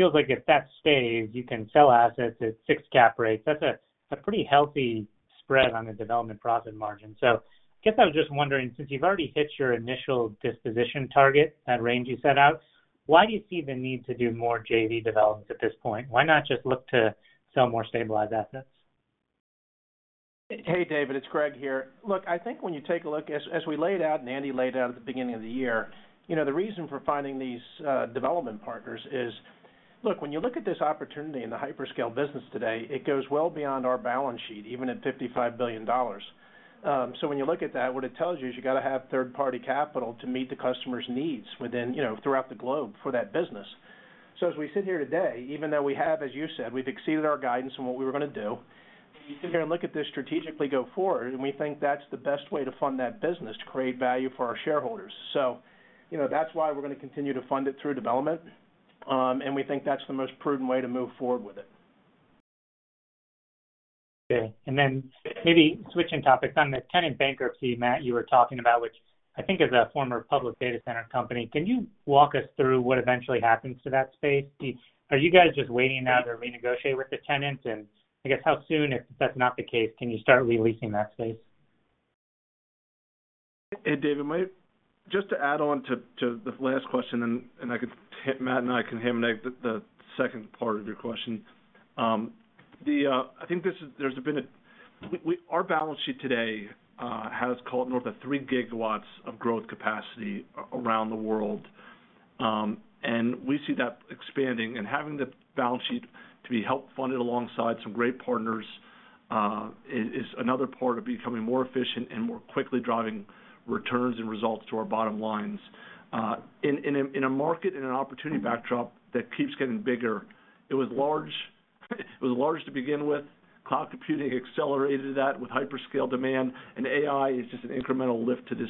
it feels like if that stays, you can sell assets at 6 cap rates. That's a, a pretty healthy spread on the development profit margin. I guess I was just wondering, since you've already hit your initial disposition target, that range you set out, why do you see the need to do more JV developments at this point? Why not just look to sell more stabilized assets? Hey, David, it's Greg here. Look, I think when you take a look, as, as we laid out and Andy laid out at the beginning of the year, you know, the reason for finding these, development partners is. Look, when you look at this opportunity in the hyperscale business today, it goes well beyond our balance sheet, even at $55 billion. When you look at that, what it tells you is you got to have third-party capital to meet the customer's needs within, you know, throughout the globe for that business. As we sit here today, even though we have, as you said, we've exceeded our guidance on what we were going to do, we sit here and look at this strategically go forward, and we think that's the best way to fund that business, to create value for our shareholders. You know, that's why we're going to continue to fund it through development, and we think that's the most prudent way to move forward with it. Okay. Then maybe switching topics. On the tenant bankruptcy, Matt, you were talking about, which I think is a former public data center company, can you walk us through what eventually happens to that space? Are you guys just waiting now to renegotiate with the tenants? I guess, how soon, if that's not the case, can you start re-leasing that space? Hey, David, just to add on to, to the last question, and Matt and I can handle the, the second part of your question. Our balance sheet today has call it more than 3 gigawatts of growth capacity around the world. And we see that expanding and having the balance sheet to be help funded alongside some great partners is another part of becoming more efficient and more quickly driving returns and results to our bottom lines. In a market, in an opportunity backdrop that keeps getting bigger, it was large-... It was large to begin with. Cloud computing accelerated that with hyperscale demand, and AI is just an incremental lift to this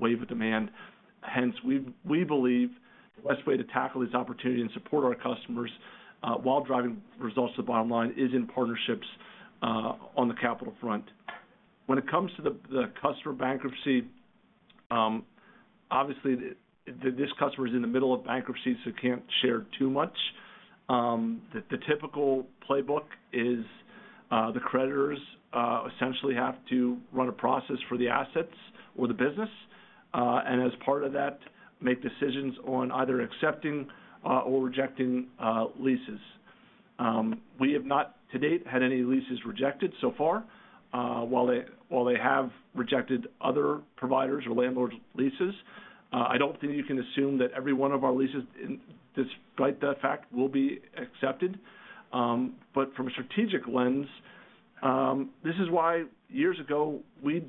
wave of demand. Hence, we, we believe the best way to tackle this opportunity and support our customers, while driving results to the bottom line, is in partnerships, on the capital front. When it comes to the, the customer bankruptcy, obviously, the, this customer is in the middle of bankruptcy, so can't share too much. The, the typical playbook is, the creditors, essentially have to run a process for the assets or the business, and as part of that, make decisions on either accepting, or rejecting, leases. We have not, to date, had any leases rejected so far, while they, while they have rejected other providers' or landlords' leases. I don't think you can assume that every one of our leases, in despite that fact, will be accepted. From a strategic lens, this is why years ago, we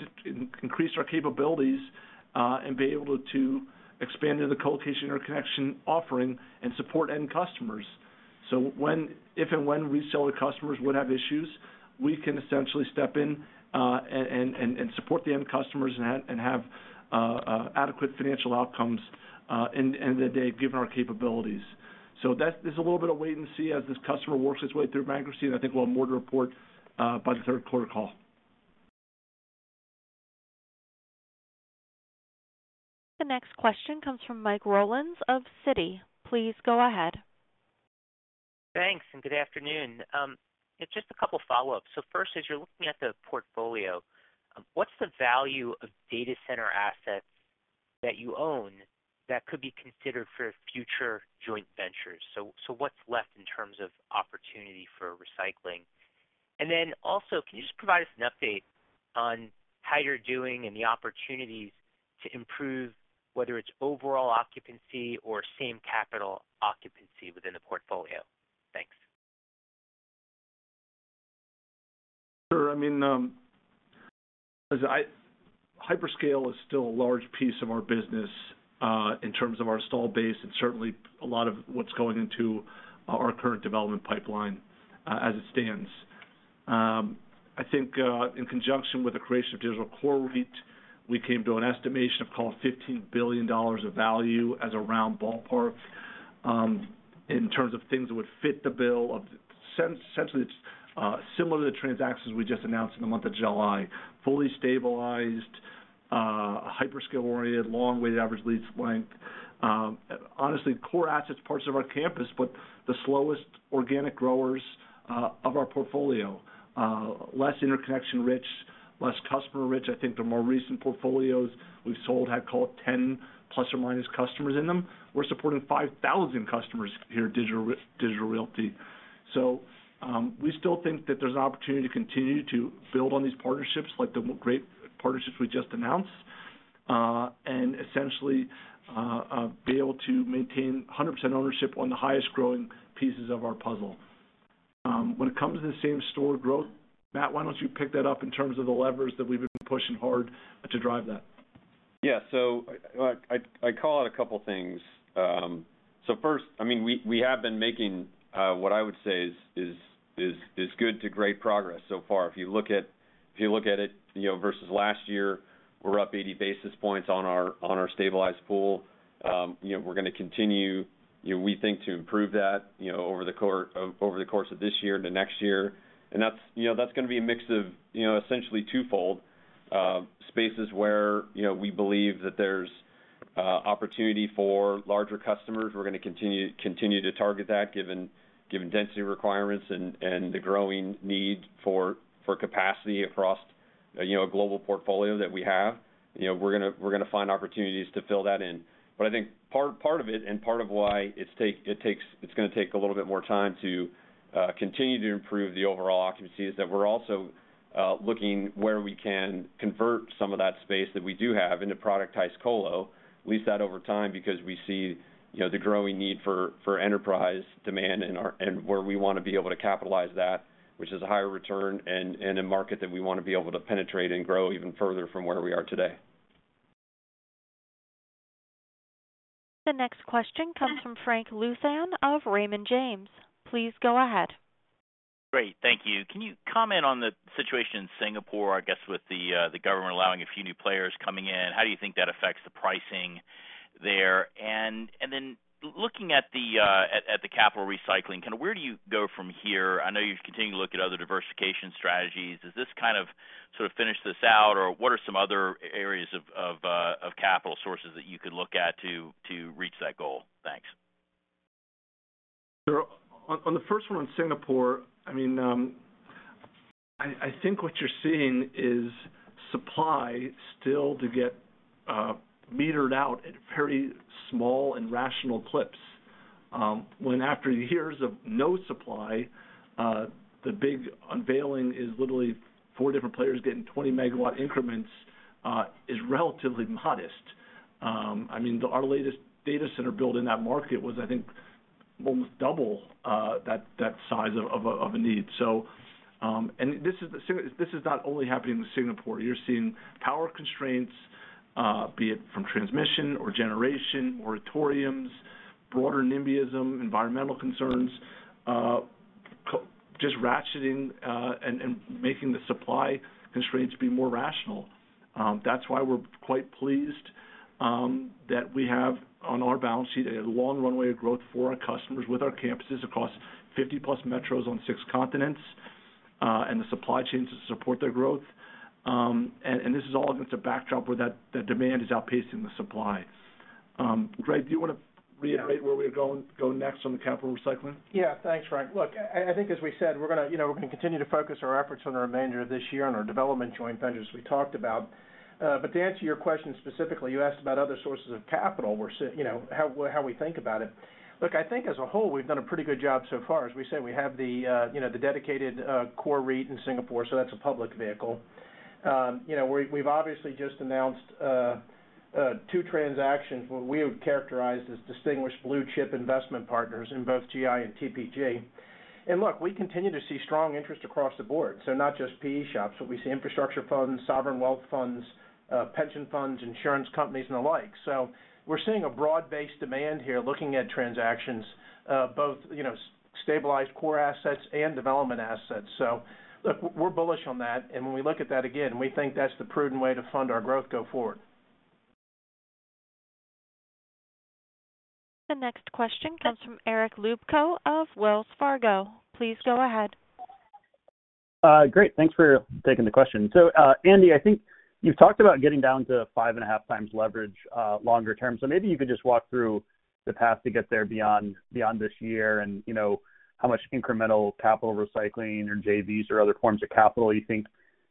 increased our capabilities and be able to expand into the colocation or connection offering and support end customers. When, if and when we sell, the customers would have issues, we can essentially step in and support the end customers and have adequate financial outcomes end, end of the day, given our capabilities. That's, there's a little bit of wait and see as this customer works its way through bankruptcy, and I think we'll have more to report by the Q3 call. The next question comes from Mike Rollins of Citi. Please go ahead. Thanks. Good afternoon. It's just a couple follow-ups. First, as you're looking at the portfolio, what's the value of data center assets that you own that could be considered for future joint ventures? What's left in terms of opportunity for recycling? Then also, can you just provide us an update on how you're doing and the opportunities to improve, whether it's overall occupancy or same capital occupancy within the portfolio? Thanks. Sure. I mean, hyperscale is still a large piece of our business, in terms of our install base, and certainly a lot of what's going into our current development pipeline, as it stands. I think, in conjunction with the creation of Digital Core REIT, we came to an estimation of call it, $15 billion of value as a round ballpark, in terms of things that would fit the bill of essentially, it's similar to the transactions we just announced in the month of July. Fully stabilized, hyperscale-oriented, long weighted average lease length. Honestly, core assets, parts of our campus, but the slowest organic growers of our portfolio. Less interconnection rich, less customer rich. I think the more recent portfolios we've sold had called 10 plus or minus customers in them. We're supporting 5,000 customers here at Digital Realty. We still think that there's an opportunity to continue to build on these partnerships, like the great partnerships we just announced, and essentially be able to maintain 100% ownership on the highest growing pieces of our puzzle. When it comes to the same store growth, Matt, why don't you pick that up in terms of the levers that we've been pushing hard to drive that? Yeah. I, I, I call it a couple of things. First, I mean, we, we have been making, what I would say is, is, is, is good to great progress so far. If you look at it, if you look at it, you know, versus last year, we're up 80 basis points on our, on our stabilized pool. You know, we're gonna continue, you know, we think, to improve that, you know, over the course, over the course of this year into next year. That's, you know, that's gonna be a mix of, you know, essentially twofold, spaces where, you know, we believe that there's, opportunity for larger customers. We're gonna continue, continue to target that, given, given density requirements and, and the growing need for, for capacity across, you know, a global portfolio that we have. You know, we're gonna, we're gonna find opportunities to fill that in. I think part, part of it and part of why it's gonna take a little bit more time to continue to improve the overall occupancy, is that we're also looking where we can convert some of that space that we do have into productized colo. Lease that over time because we see, you know, the growing need for, for enterprise demand and where we want to be able to capitalize that, which is a higher return and, and a market that we want to be able to penetrate and grow even further from where we are today. The next question comes from Frank Louthan of Raymond James. Please go ahead. Great, thank you. Can you comment on the situation in Singapore, I guess, with the, the government allowing a few new players coming in, how do you think that affects the pricing there? Then looking at the, at, at the capital recycling, kind of where do you go from here? I know you've continued to look at other diversification strategies. Does this kind of, sort of finish this out, or what are some other areas of, of, of capital sources that you could look at to, to reach that goal? Thanks. Sure. On, on the first one, Singapore, I mean, I think what you're seeing is supply still to get metered out at very small and rational clips. After years of no supply, the big unveiling is literally four different players getting 20 MW increments, is relatively modest. I mean, our latest data center build in that market was, I think, almost double that size of a need. This is not only happening with Singapore. You're seeing power constraints, be it from transmission or generation, moratoriums, broader nimbyism, environmental concerns, just ratcheting, and making the supply constraints be more rational. That's why we're quite pleased that we have, on our balance sheet, a long runway of growth for our customers with our campuses across 50-plus metros on six continents, and the supply chains to support their growth. This is all against a backdrop where the demand is outpacing the supply. Greg, do you want to reiterate where we go next on the capital recycling? Yeah, thanks, Frank. Look, I, I think, as we said, we're gonna, you know, we're gonna continue to focus our efforts on the remainder of this year on our development joint ventures we talked about. To answer your question, specifically, you asked about other sources of capital, we're so, you know, how, how we think about it. Look, I think as a whole, we've done a pretty good job so far. As we said, we have the, you know, the dedicated, core REIT in Singapore, so that's a public vehicle. You know, we, we've obviously just announced, two transactions, what we would characterize as distinguished blue-chip investment partners in both GI and TPG. Look, we continue to see strong interest across the board. Not just PE shops, but we see infrastructure funds, sovereign wealth funds, pension funds, insurance companies, and the like. We're seeing a broad-based demand here, looking at transactions, both, you know, stabilized core assets and development assets. Look, we're bullish on that, and when we look at that again, we think that's the prudent way to fund our growth go forward. The next question comes from Eric Luebchow of Wells Fargo. Please go ahead. Great. Thanks for taking the question. Andy, I think you've talked about getting down to 5.5x leverage longer term. Maybe you could just walk through the path to get there beyond, beyond this year and, you know, how much incremental capital recycling or JVs or other forms of capital you think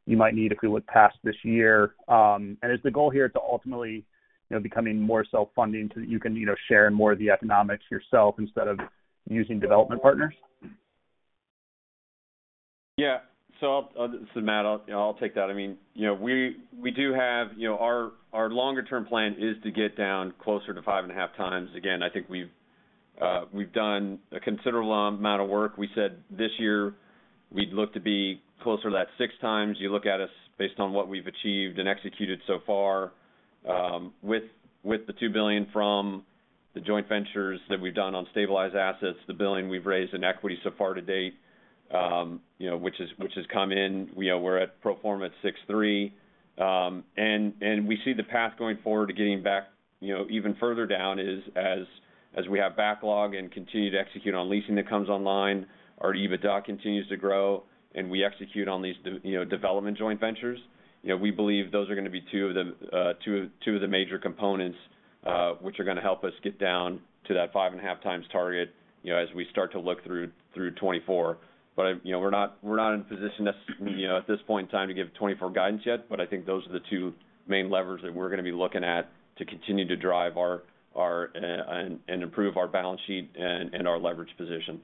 you might need if we look past this year. And is the goal here to ultimately, you know, becoming more self-funding so that you can, you know, share in more of the economics yourself instead of using development partners? Yeah. This is Matt. I'll, you know, I'll take that. I mean, you know, we, we do have. You know, our, our longer-term plan is to get down closer to 5.5 times. Again, I think we've, we've done a considerable amount of work. We said this year, we'd look to be closer to that 6 times. You look at us based on what we've achieved and executed so far, with, with the $2 billion from the joint ventures that we've done on stabilized assets, the $1 billion we've raised in equity so far to date, you know, which has, which has come in. You know, we're at pro forma at 6.3. We see the path going forward to getting back, you know, even further down is, as, as we have backlog and continue to execute on leasing that comes online, our EBITDA continues to grow, and we execute on these you know, development joint ventures. You know, we believe those are gonna be two of the, two, two of the major components, which are gonna help us get down to that 5.5x target, you know, as we start to look through, through 2024. You know, we're not, we're not in a position necessarily, you know, at this point in time, to give 2024 guidance yet, but I think those are the two main levers that we're gonna be looking at to continue to drive our, our, and, and improve our balance sheet and, and our leverage position.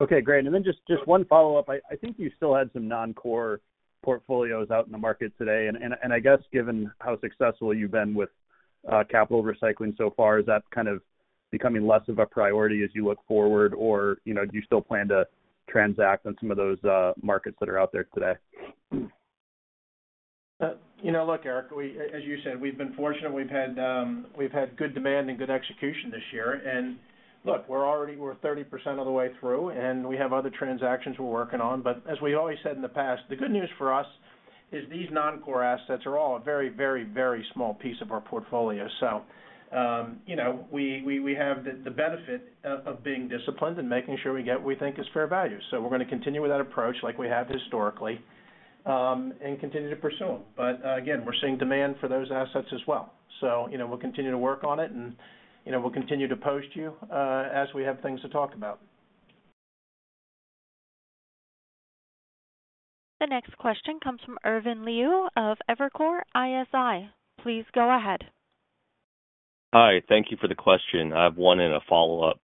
Okay, great. Then just, just one follow-up. I, I think you still had some non-core portfolios out in the market today. I guess, given how successful you've been with capital recycling so far, is that kind of becoming less of a priority as you look forward? You know, do you still plan to transact on some of those markets that are out there today? You know, look, Eric, as you said, we've been fortunate. We've had, we've had good demand and good execution this year. Look, we're already we're 30% of the way through, and we have other transactions we're working on. As we always said in the past, the good news for us is these non-core assets are all a very, very, very small piece of our portfolio. You know, we have the benefit of being disciplined and making sure we get what we think is fair value. We're gonna continue with that approach like we have historically, and continue to pursue them. Again, we're seeing demand for those assets as well. You know, we'll continue to work on it, and, you know, we'll continue to post you, as we have things to talk about. The next question comes from Irvin Liu of Evercore ISI. Please go ahead. Hi, thank you for the question. I have one and a follow-up.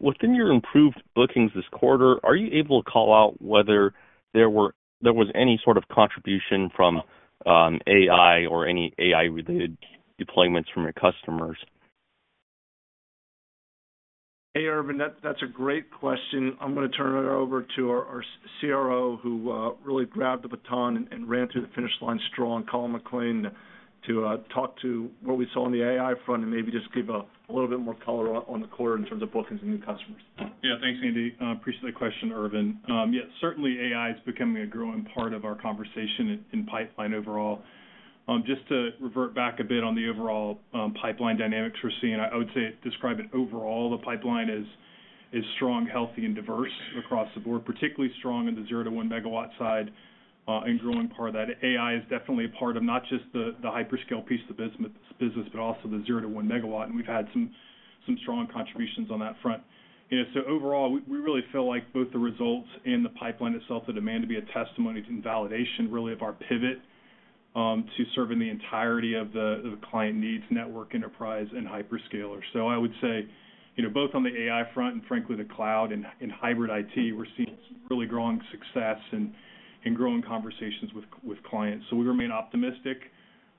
Within your improved bookings this quarter, are you able to call out whether there was any sort of contribution from AI or any AI-related deployments from your customers? Hey, Irvin, that, that's a great question. I'm gonna turn it over to our, our CRO, who really grabbed the baton and, and ran through the finish line strong, Colin McLean, to talk to what we saw on the AI front and maybe just give a little bit more color on, on the quarter in terms of bookings and new customers. Yeah. Thanks, Andy. Appreciate the question, Irvin. Yes, certainly, AI is becoming a growing part of our conversation in, in pipeline overall. Just to revert back a bit on the overall, pipeline dynamics we're seeing, I would say, describe it overall, the pipeline is, is strong, healthy, and diverse across the board. Particularly strong in the 0-1 megawatt side, and growing part of that. AI is definitely a part of not just the, the hyperscale piece of business, but also the 0-1 megawatt, and we've had some, some strong contributions on that front. You know, so overall, we, we really feel like both the results and the pipeline itself, the demand to be a testimony to validation, really, of our pivot, to serving the entirety of the, the client needs, network, enterprise, and hyperscaler. I would say, you know, both on the AI front and frankly, the cloud and, and hybrid IT, we're seeing some really growing success and, and growing conversations with, with clients. We remain optimistic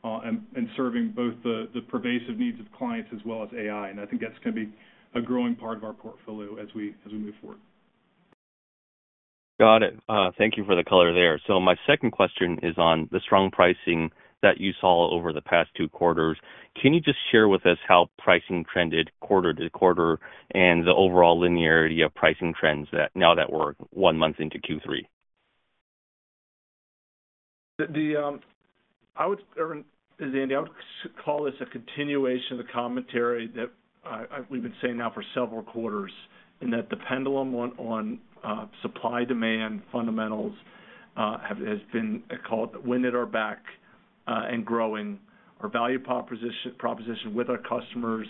and, and serving both the, the pervasive needs of clients as well as AI, and I think that's gonna be a growing part of our portfolio as we, as we move forward. Got it. Thank you for the color there. My second question is on the strong pricing that you saw over the past 2 quarters. Can you just share with us how pricing trended quarter to quarter and the overall linearity of pricing trends that, now that we're 1 month into Q3? The, I would, Irvin, Andy, I would call this a continuation of the commentary that we've been saying now for several quarters. That the pendulum on supply-demand fundamentals has been called wind at our back and growing. Our value proposition with our customers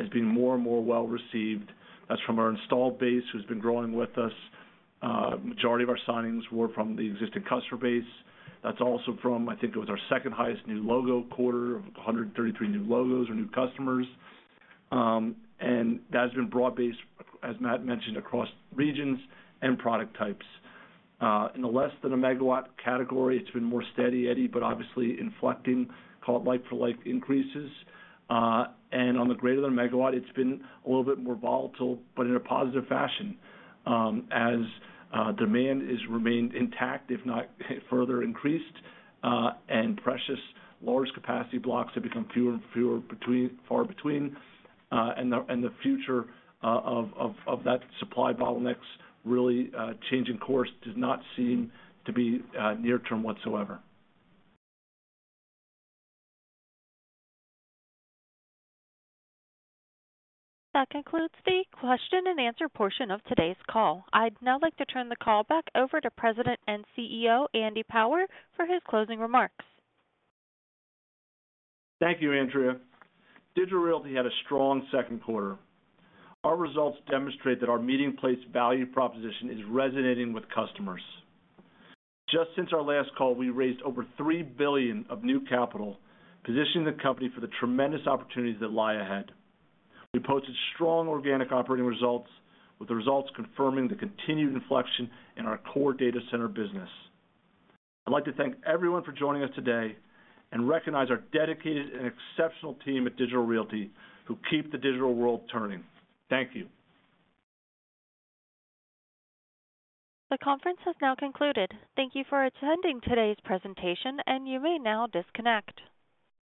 is being more and more well received. That's from our installed base, who's been growing with us. Majority of our signings were from the existing customer base. That's also from, I think it was our second highest new logo quarter of 133 new logos or new customers. That's been broad-based, as Matt mentioned, across regions and product types. In the less than a megawatt category, it's been more steady Eddie, but obviously inflecting call it like-for-like increases. On the greater than megawatt, it's been a little bit more volatile, but in a positive fashion. As demand is remained intact, if not further increased, and precious large capacity blocks have become fewer and fewer far between, and the, and the future, of, of, of that supply bottlenecks really, changing course does not seem to be, near term whatsoever. That concludes the question and answer portion of today's call. I'd now like to turn the call back over to President and CEO, Andy Power, for his closing remarks. Thank you, Andrea. Digital Realty had a strong Q2. Our results demonstrate that our meeting place value proposition is resonating with customers. Just since our last call, we raised over $3 billion of new capital, positioning the company for the tremendous opportunities that lie ahead. We posted strong organic operating results, with the results confirming the continued inflection in our core data center business. I'd like to thank everyone for joining us today and recognize our dedicated and exceptional team at Digital Realty, who keep the digital world turning. Thank you. The conference has now concluded. Thank you for attending today's presentation. You may now disconnect.